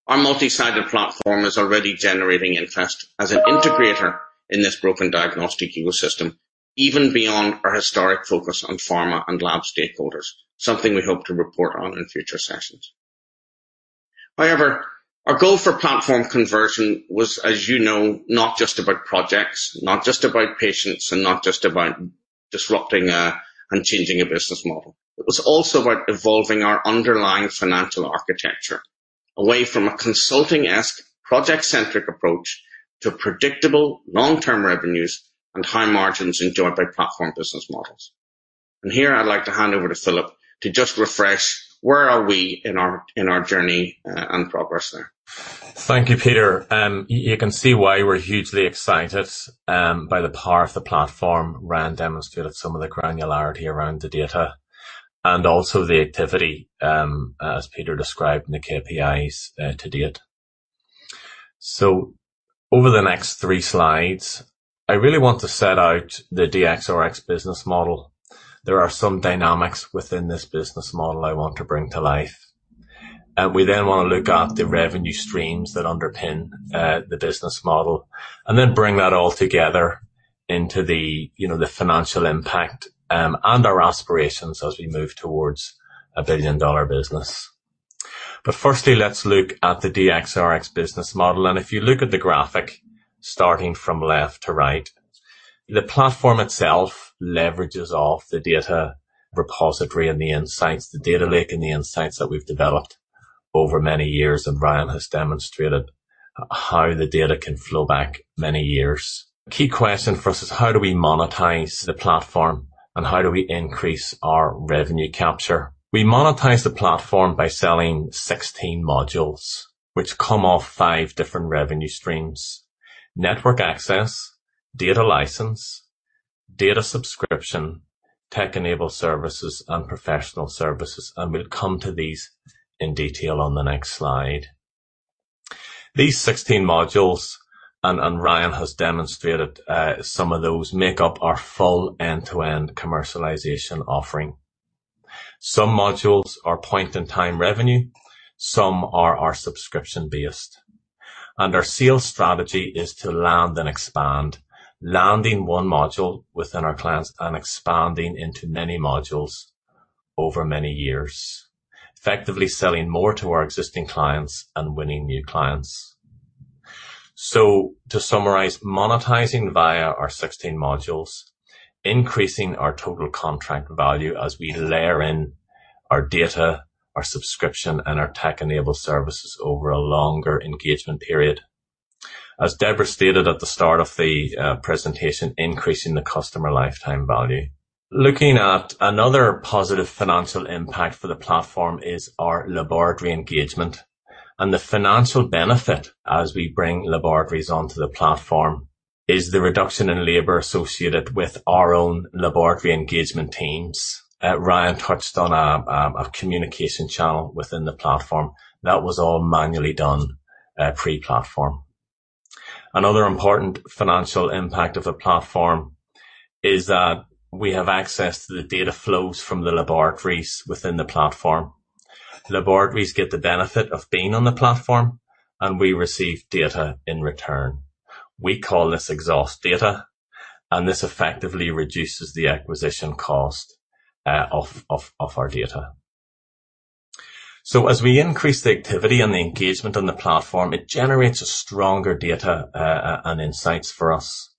our multi-sided platform is already generating interest as an integrator in this broken diagnostic ecosystem, even beyond our historic focus on pharma and lab stakeholders, something we hope to report on in future sessions. However, our goal for platform conversion was, as you know, not just about projects, not just about patients, and not just about disrupting and changing a business model. It was also about evolving our underlying financial architecture away from a consulting-esque, project-centric approach to predictable long-term revenues and high margins enjoyed by platform business models. Here I'd like to hand over to Philip to just refresh where are we in our journey and progress now. Thank you, Peter. You can see why we're hugely excited by the power of the platform. Ryan demonstrated some of the granularity around the data and also the activity, as Peter described in the KPIs to date. Over the next three slides, I really want to set out the DxRx business model. There are some dynamics within this business model I want to bring to life. We want to look at the revenue streams that underpin the business model and then bring that all together into the financial impact and our aspirations as we move towards a billion-dollar business. Firstly, let's look at the DxRx business model. If you look at the graphic starting from left to right, the platform itself leverages off the data repository and the insights, the data lake and the insights that we've developed over many years, Ryan has demonstrated how the data can flow back many years. Key question for us is how do we monetize the platform and how do we increase our revenue capture? We monetize the platform by selling 16 modules which come off 5 different revenue streams: network access, data license, data subscription, tech-enabled services, and professional services, and we'll come to these in detail on the next slide. These 16 modules, Ryan has demonstrated some of those, make up our full end-to-end commercialization offering. Some modules are point-in-time revenue, some are subscription based. Our sales strategy is to land and expand, landing one module within our clients and expanding into many modules over many years, effectively selling more to our existing clients and winning new clients. To summarize, monetizing via our 16 modules, increasing our total contract value as we layer in our data, our subscription, and our tech-enabled services over a longer engagement period. As Deborah stated at the start of the presentation, increasing the customer lifetime value. Looking at another positive financial impact for the platform is our laboratory engagement. The financial benefit as we bring laboratories onto the platform is the reduction in labor associated with our own laboratory engagement teams. Ryan touched on a communication channel within the platform. That was all manually done pre-platform. Another important financial impact of the platform is that we have access to the data flows from the laboratories within the platform. The laboratories get the benefit of being on the platform, and we receive data in return. We call this exhaust data. This effectively reduces the acquisition cost of our data. As we increase the activity and the engagement on the platform, it generates a stronger data and insights for us.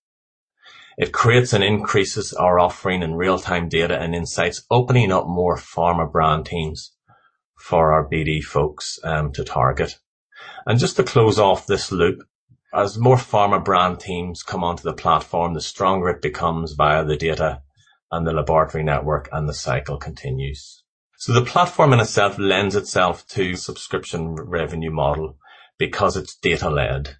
It creates and increases our offering in real-time data and insights, opening up more pharma brand teams for our BD folks to target. Just to close off this loop, as more pharma brand teams come onto the platform, the stronger it becomes via the data and the laboratory network, and the cycle continues. The platform in itself lends itself to subscription revenue model because it's data-led.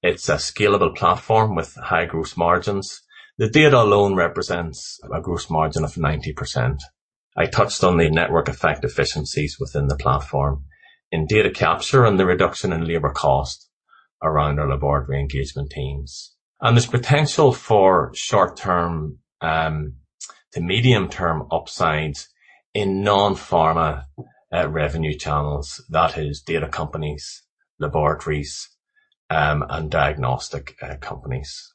It's a scalable platform with high gross margins. The data alone represents a gross margin of 90%. I touched on the network effect efficiencies within the platform in data capture and the reduction in labor cost around our laboratory engagement teams. There's potential for short-term and to medium-term upsides in non-pharma revenue channels, that is data companies, laboratories, and diagnostic companies.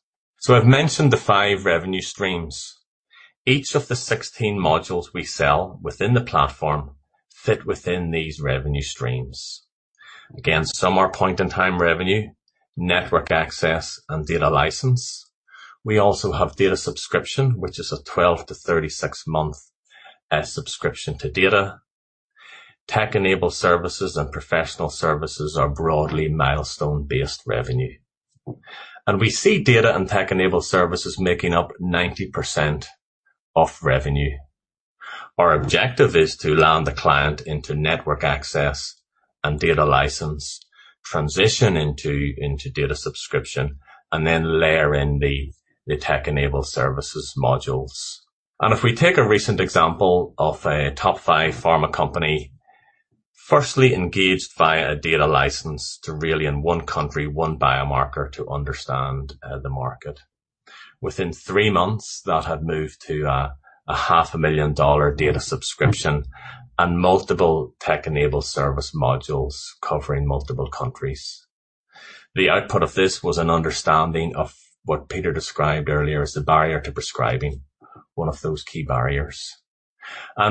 I've mentioned the five revenue streams. Each of the 16 modules we sell within the platform fit within these revenue streams. Again, some are point-in-time revenue, network access, and data license. We also have data subscription, which is a 12-36 month subscription to data. Tech-enabled services and professional services are broadly milestone-based revenue. We see data and tech-enabled services making up 90% of revenue. Our objective is to land the client into network access and data license, transition into data subscription, and then layer in the tech-enabled services modules. If we take a recent example of a top 5 pharma company, firstly engaged via a data license to really in one country, one biomarker to understand the market. Within three months, that had moved to a half a million dollar data subscription and multiple tech-enabled service modules covering multiple countries. The output of this was an understanding of what Peter described earlier as the barrier to prescribing, one of those key barriers.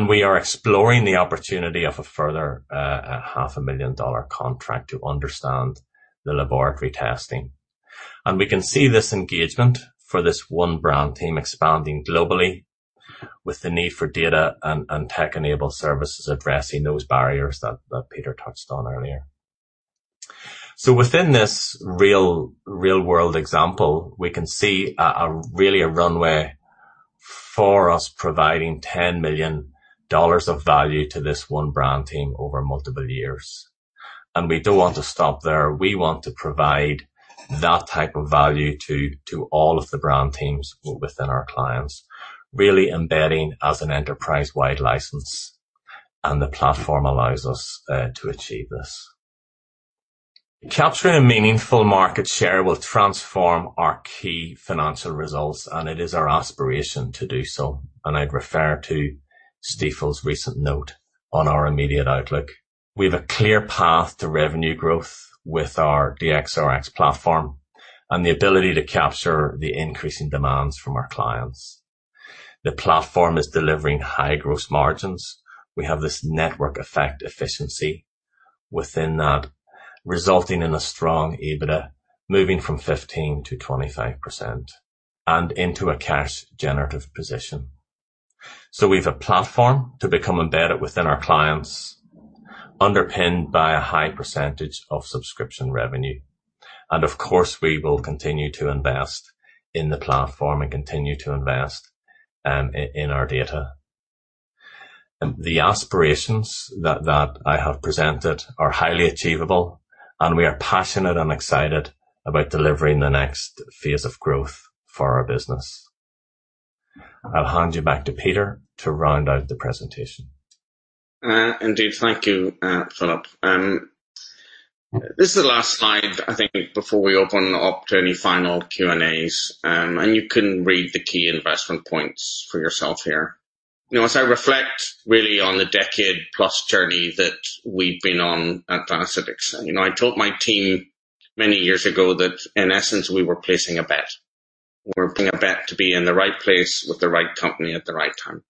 We are exploring the opportunity of a further half a million dollar contract to understand the laboratory testing. We can see this engagement for this one brand team expanding globally with the need for data and tech-enabled services addressing those barriers that Peter touched on earlier. Within this real-world example, we can see really a runway for us providing GBP 10 million of value to this one brand team over multiple years, and we don't want to stop there. We want to provide that type of value to all of the brand teams within our clients, really embedding as an enterprise-wide license, and the platform allows us to achieve this. Capturing a meaningful market share will transform our key financial results, and it is our aspiration to do so. I'd refer to Stifel's recent note on our immediate outlook. We have a clear path to revenue growth with our DxRx platform and the ability to capture the increasing demands from our clients. The platform is delivering high gross margins. We have this network effect efficiency within that, resulting in a strong EBITDA moving from 15%-25% and into a cash generative position. We have a platform to become embedded within our clients, underpinned by a high percentage of subscription revenue. Of course, we will continue to invest in the platform and continue to invest in our data. The aspirations that I have presented are highly achievable, and we are passionate and excited about delivering the next phase of growth for our business. I'll hand you back to Peter to round out the presentation. Indeed. Thank you, Philip. This is the last slide, I think, before we open up to any final Q&As. You can read the key investment points for yourself here. As I reflect really on the decade-plus journey that we've been on at Diaceutics, I told my team many years ago that in essence, we were placing a bet. We're placing a bet to be in the right place with the right company at the right time.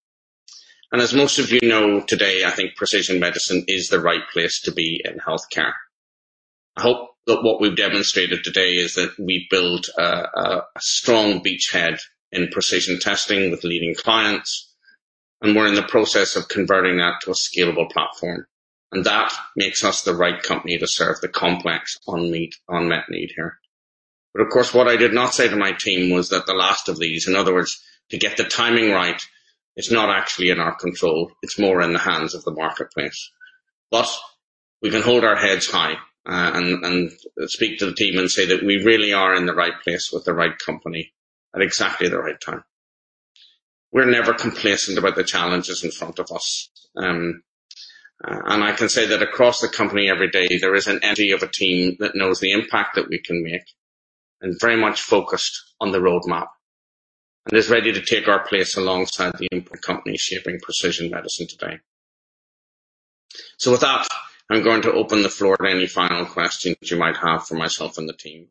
As most of you know today, I think precision medicine is the right place to be in healthcare. I hope that what we've demonstrated today is that we built a strong beachhead in precision testing with leading clients, and we're in the process of converting that to a scalable platform. That makes us the right company to serve the complex unmet need here. Of course, what I did not say to my team was that the last of these, in other words, to get the timing right, it's not actually in our control. It's more in the hands of the marketplace. We can hold our heads high and speak to the team and say that we really are in the right place with the right company at exactly the right time. We're never complacent about the challenges in front of us. I can say that across the company every day, there is an energy of a team that knows the impact that we can make and very much focused on the roadmap, and is ready to take our place alongside the leading companies shaping precision medicine today. With that, I'm going to open the floor to any final questions you might have for myself and the team.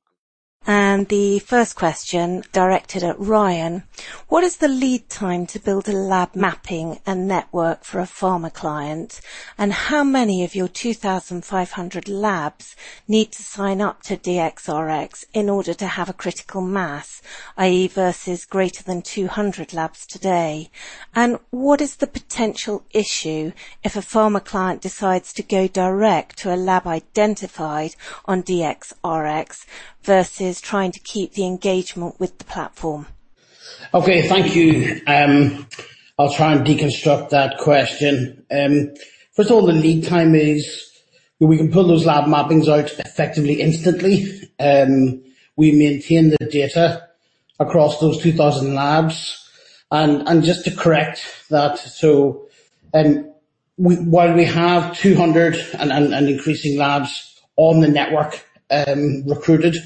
The first question, directed at Ryan. What is the lead time to build a lab mapping and network for a pharma client? How many of your 2,500 labs need to sign up to DxRx in order to have a critical mass, i.e., versus greater than 200 labs today? What is the potential issue if a pharma client decides to go direct to a lab identified on DxRx versus trying to keep the engagement with the platform? Okay, thank you. I'll try and deconstruct that question. First of all, the lead time is we can pull those lab mappings out effectively instantly. We maintain the data across those 2,000 labs. Just to correct that, while we have 200 and increasing labs on the network recruited,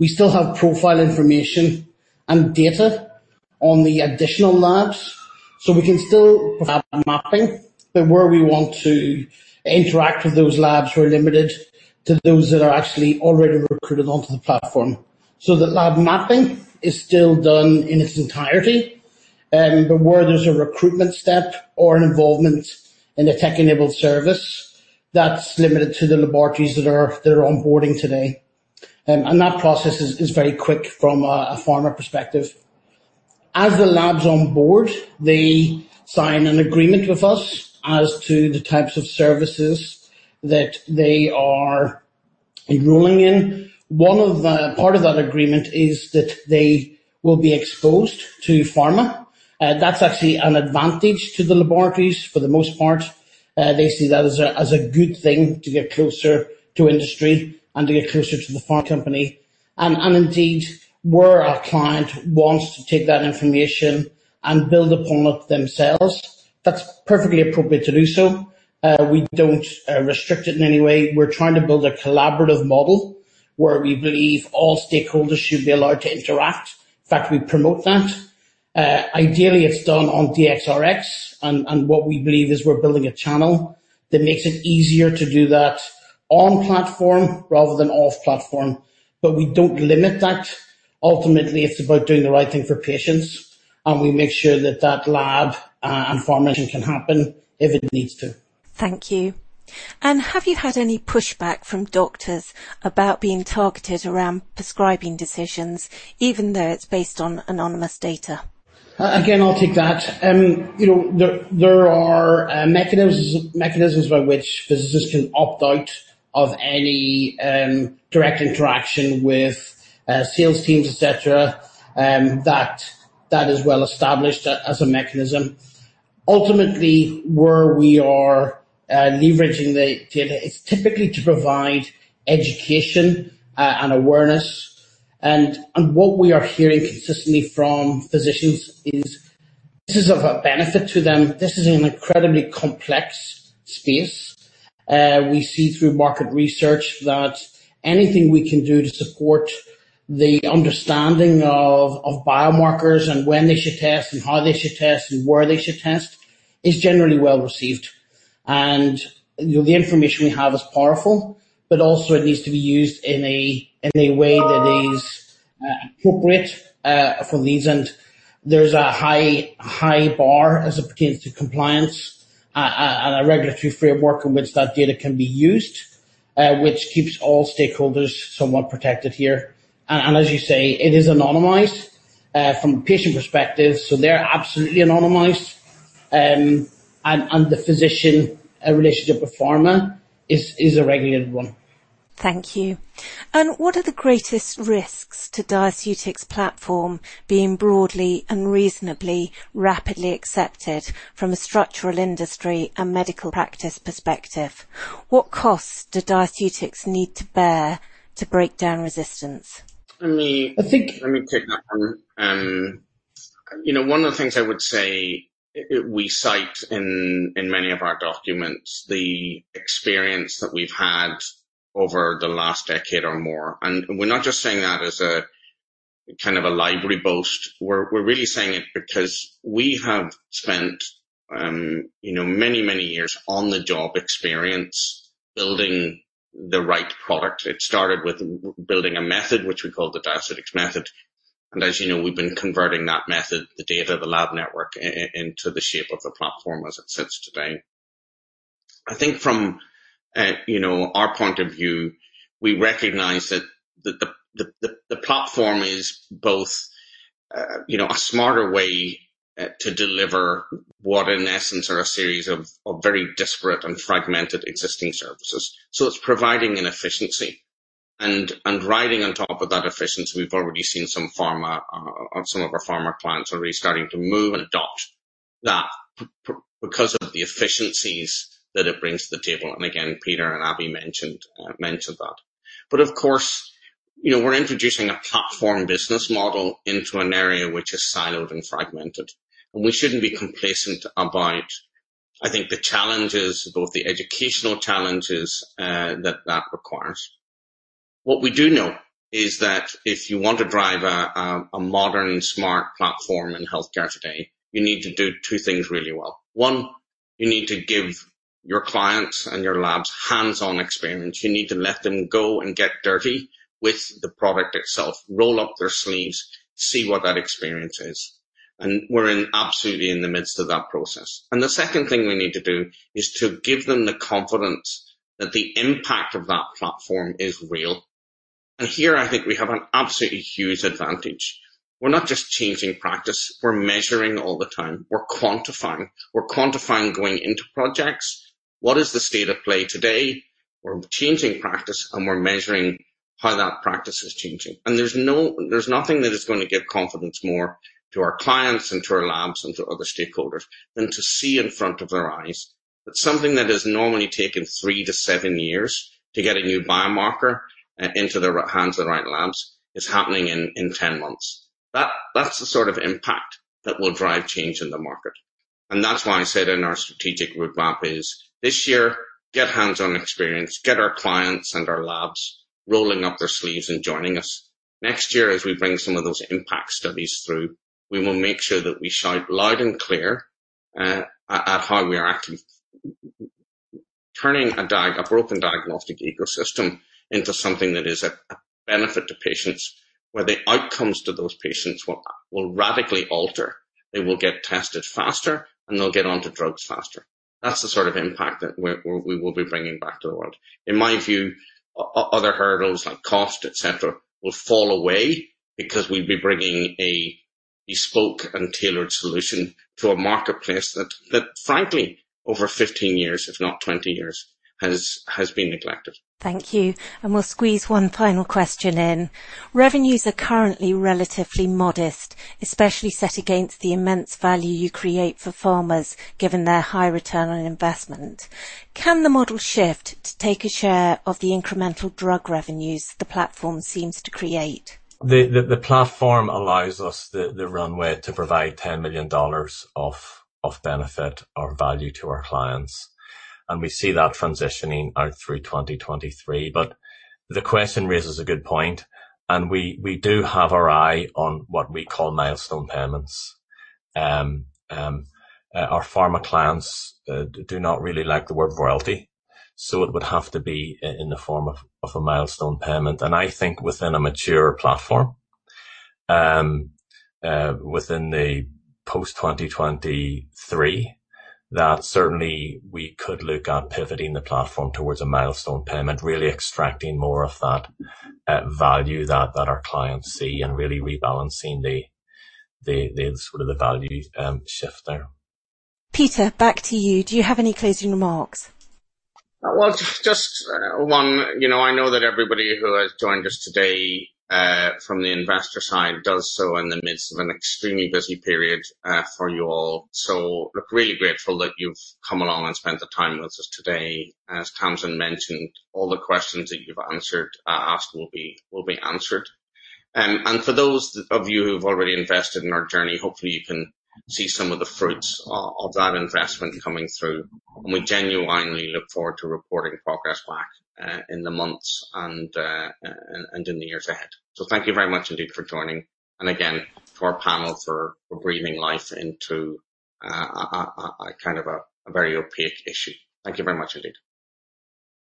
we still have profile information and data on the additional labs, so we can still provide mapping. Where we want to interact with those labs, we're limited to those that are actually already recruited onto the platform. The lab mapping is still done in its entirety. Where there's a recruitment step or involvement in a tech-enabled service, that's limited to the laboratories that are onboarding today. That process is very quick from a pharma perspective. As the labs onboard, they sign an agreement with us as to the types of services that they are enrolling in. Part of that agreement is that they will be exposed to pharma. That's actually an advantage to the laboratories for the most part. They see that as a good thing to get closer to industry and to get closer to the pharma company. Indeed, where a client wants to take that information and build upon it themselves, that's perfectly appropriate to do so. We don't restrict it in any way. We're trying to build a collaborative model where we believe all stakeholders should be allowed to interact. In fact, we promote that. Ideally, it's done on DxRx, and what we believe is we're building a channel that makes it easier to do that on-platform rather than off-platform, but we don't limit that. Ultimately, it's about doing the right thing for patients, and we make sure that that lab and pharma can happen if it needs to. Thank you. Have you had any pushback from doctors about being targeted around prescribing decisions, even though it's based on anonymous data? I'll take that. There are mechanisms by which physicians can opt out of any direct interaction with sales teams, et cetera. That is well established as a mechanism. Where we are leveraging the data is typically to provide education and awareness. What we are hearing consistently from physicians is this is of a benefit to them. This is an incredibly complex space. We see through market research that anything we can do to support the understanding of biomarkers and when they should test and how they should test and where they should test is generally well-received. The information we have is powerful, but also it needs to be used in a way that is appropriate for reasons. There's a high bar as it pertains to compliance and a regulatory framework in which that data can be used, which keeps all stakeholders somewhat protected here. As you say, it is anonymized from a patient perspective, so they're absolutely anonymized. The physician relationship with pharma is a regulated one. Thank you. What are the greatest risks to Diaceutics platform being broadly and reasonably rapidly accepted from a structural industry and medical practice perspective? What costs do Diaceutics need to bear to break down resistance? Let me take that one. One of the things I would say, we cite in many of our documents the experience that we've had over the last decade or more, and we're not just saying that as a kind of a library boast. We're really saying it because we have spent many years on-the-job experience building the right product. It started with building a method, which we call the Diaceutics Method. As you know, we've been converting that method, the data, the lab network, into the shape of the platform as it sits today. I think from our point of view, we recognize that the platform is both a smarter way to deliver what, in essence, are a series of very disparate and fragmented existing services. It's providing an efficiency. Riding on top of that efficiency, we've already seen some of our pharma clients are really starting to move and adopt that because of the efficiencies that it brings to the table, Peter Keeling and Avi Kulkarni mentioned that. Of course, we're introducing a platform business model into an area which is siloed and fragmented, we shouldn't be complacent about the educational challenges that requires. What we do know is that if you want to drive a modern smart platform in healthcare today, you need to do two things really well. One, you need to give your clients and your labs hands-on experience. You need to let them go and get dirty with the product itself, roll up their sleeves, see what that experience is. We're absolutely in the midst of that process. The second thing we need to do is to give them the confidence that the impact of that platform is real. Here I think we have an absolutely huge advantage. We're not just changing practice, we're measuring all the time. We're quantifying. We're quantifying going into projects. What is the state of play today? We're changing practice, and we're measuring how that practice is changing. There's nothing that is going to give confidence more to our clients and to our labs and to other stakeholders than to see in front of their eyes that something that has normally taken 3-7 years to get a new biomarker into the hands of the right labs is happening in 10 months. That's the sort of impact that will drive change in the market. That's why I said in our strategic roadmap is this year, get hands-on experience, get our clients and our labs rolling up their sleeves and joining us. Next year, as we bring some of those impact studies through, we will make sure that we shout loud and clear at how we are actually turning a broken diagnostic ecosystem into something that is a benefit to patients, where the outcomes to those patients will radically alter. They will get tested faster, and they'll get onto drugs faster. That's the sort of impact that we will be bringing back to the world. In my view, other hurdles like cost, et cetera, will fall away because we'll be bringing a bespoke and tailored solution to a marketplace that frankly, over 15 years, if not 20 years, has been neglected. Thank you. We'll squeeze one final question in. Revenues are currently relatively modest, especially set against the immense value you create for pharmas given their high return on investment. Can the model shift to take a share of the incremental drug revenues the platform seems to create? The platform allows us the runway to provide GBP 10 million of benefit or value to our clients. We see that transitioning out through 2023. The question raises a good point. We do have our eye on what we call milestone payments. Our pharma clients do not really like the word royalty. It would have to be in the form of a milestone payment. I think within a mature platform, within the post 2023, that certainly we could look at pivoting the platform towards a milestone payment, really extracting more of that value that our clients see and really rebalancing the sort of value shift there. Peter, back to you. Do you have any closing remarks? Well, just one. I know that everybody who has joined us today from the investor side does so in the midst of an extremely busy period for you all. Really grateful that you've come along and spent the time with us today. As Tamsin mentioned, all the questions that you've asked will be answered. For those of you who've already invested in our journey, hopefully you can see some of the fruits of that investment coming through. We genuinely look forward to reporting progress back in the months and in the years ahead. Thank you very much indeed for joining, and again, to our panel for breathing life into a very opaque issue. Thank you very much indeed.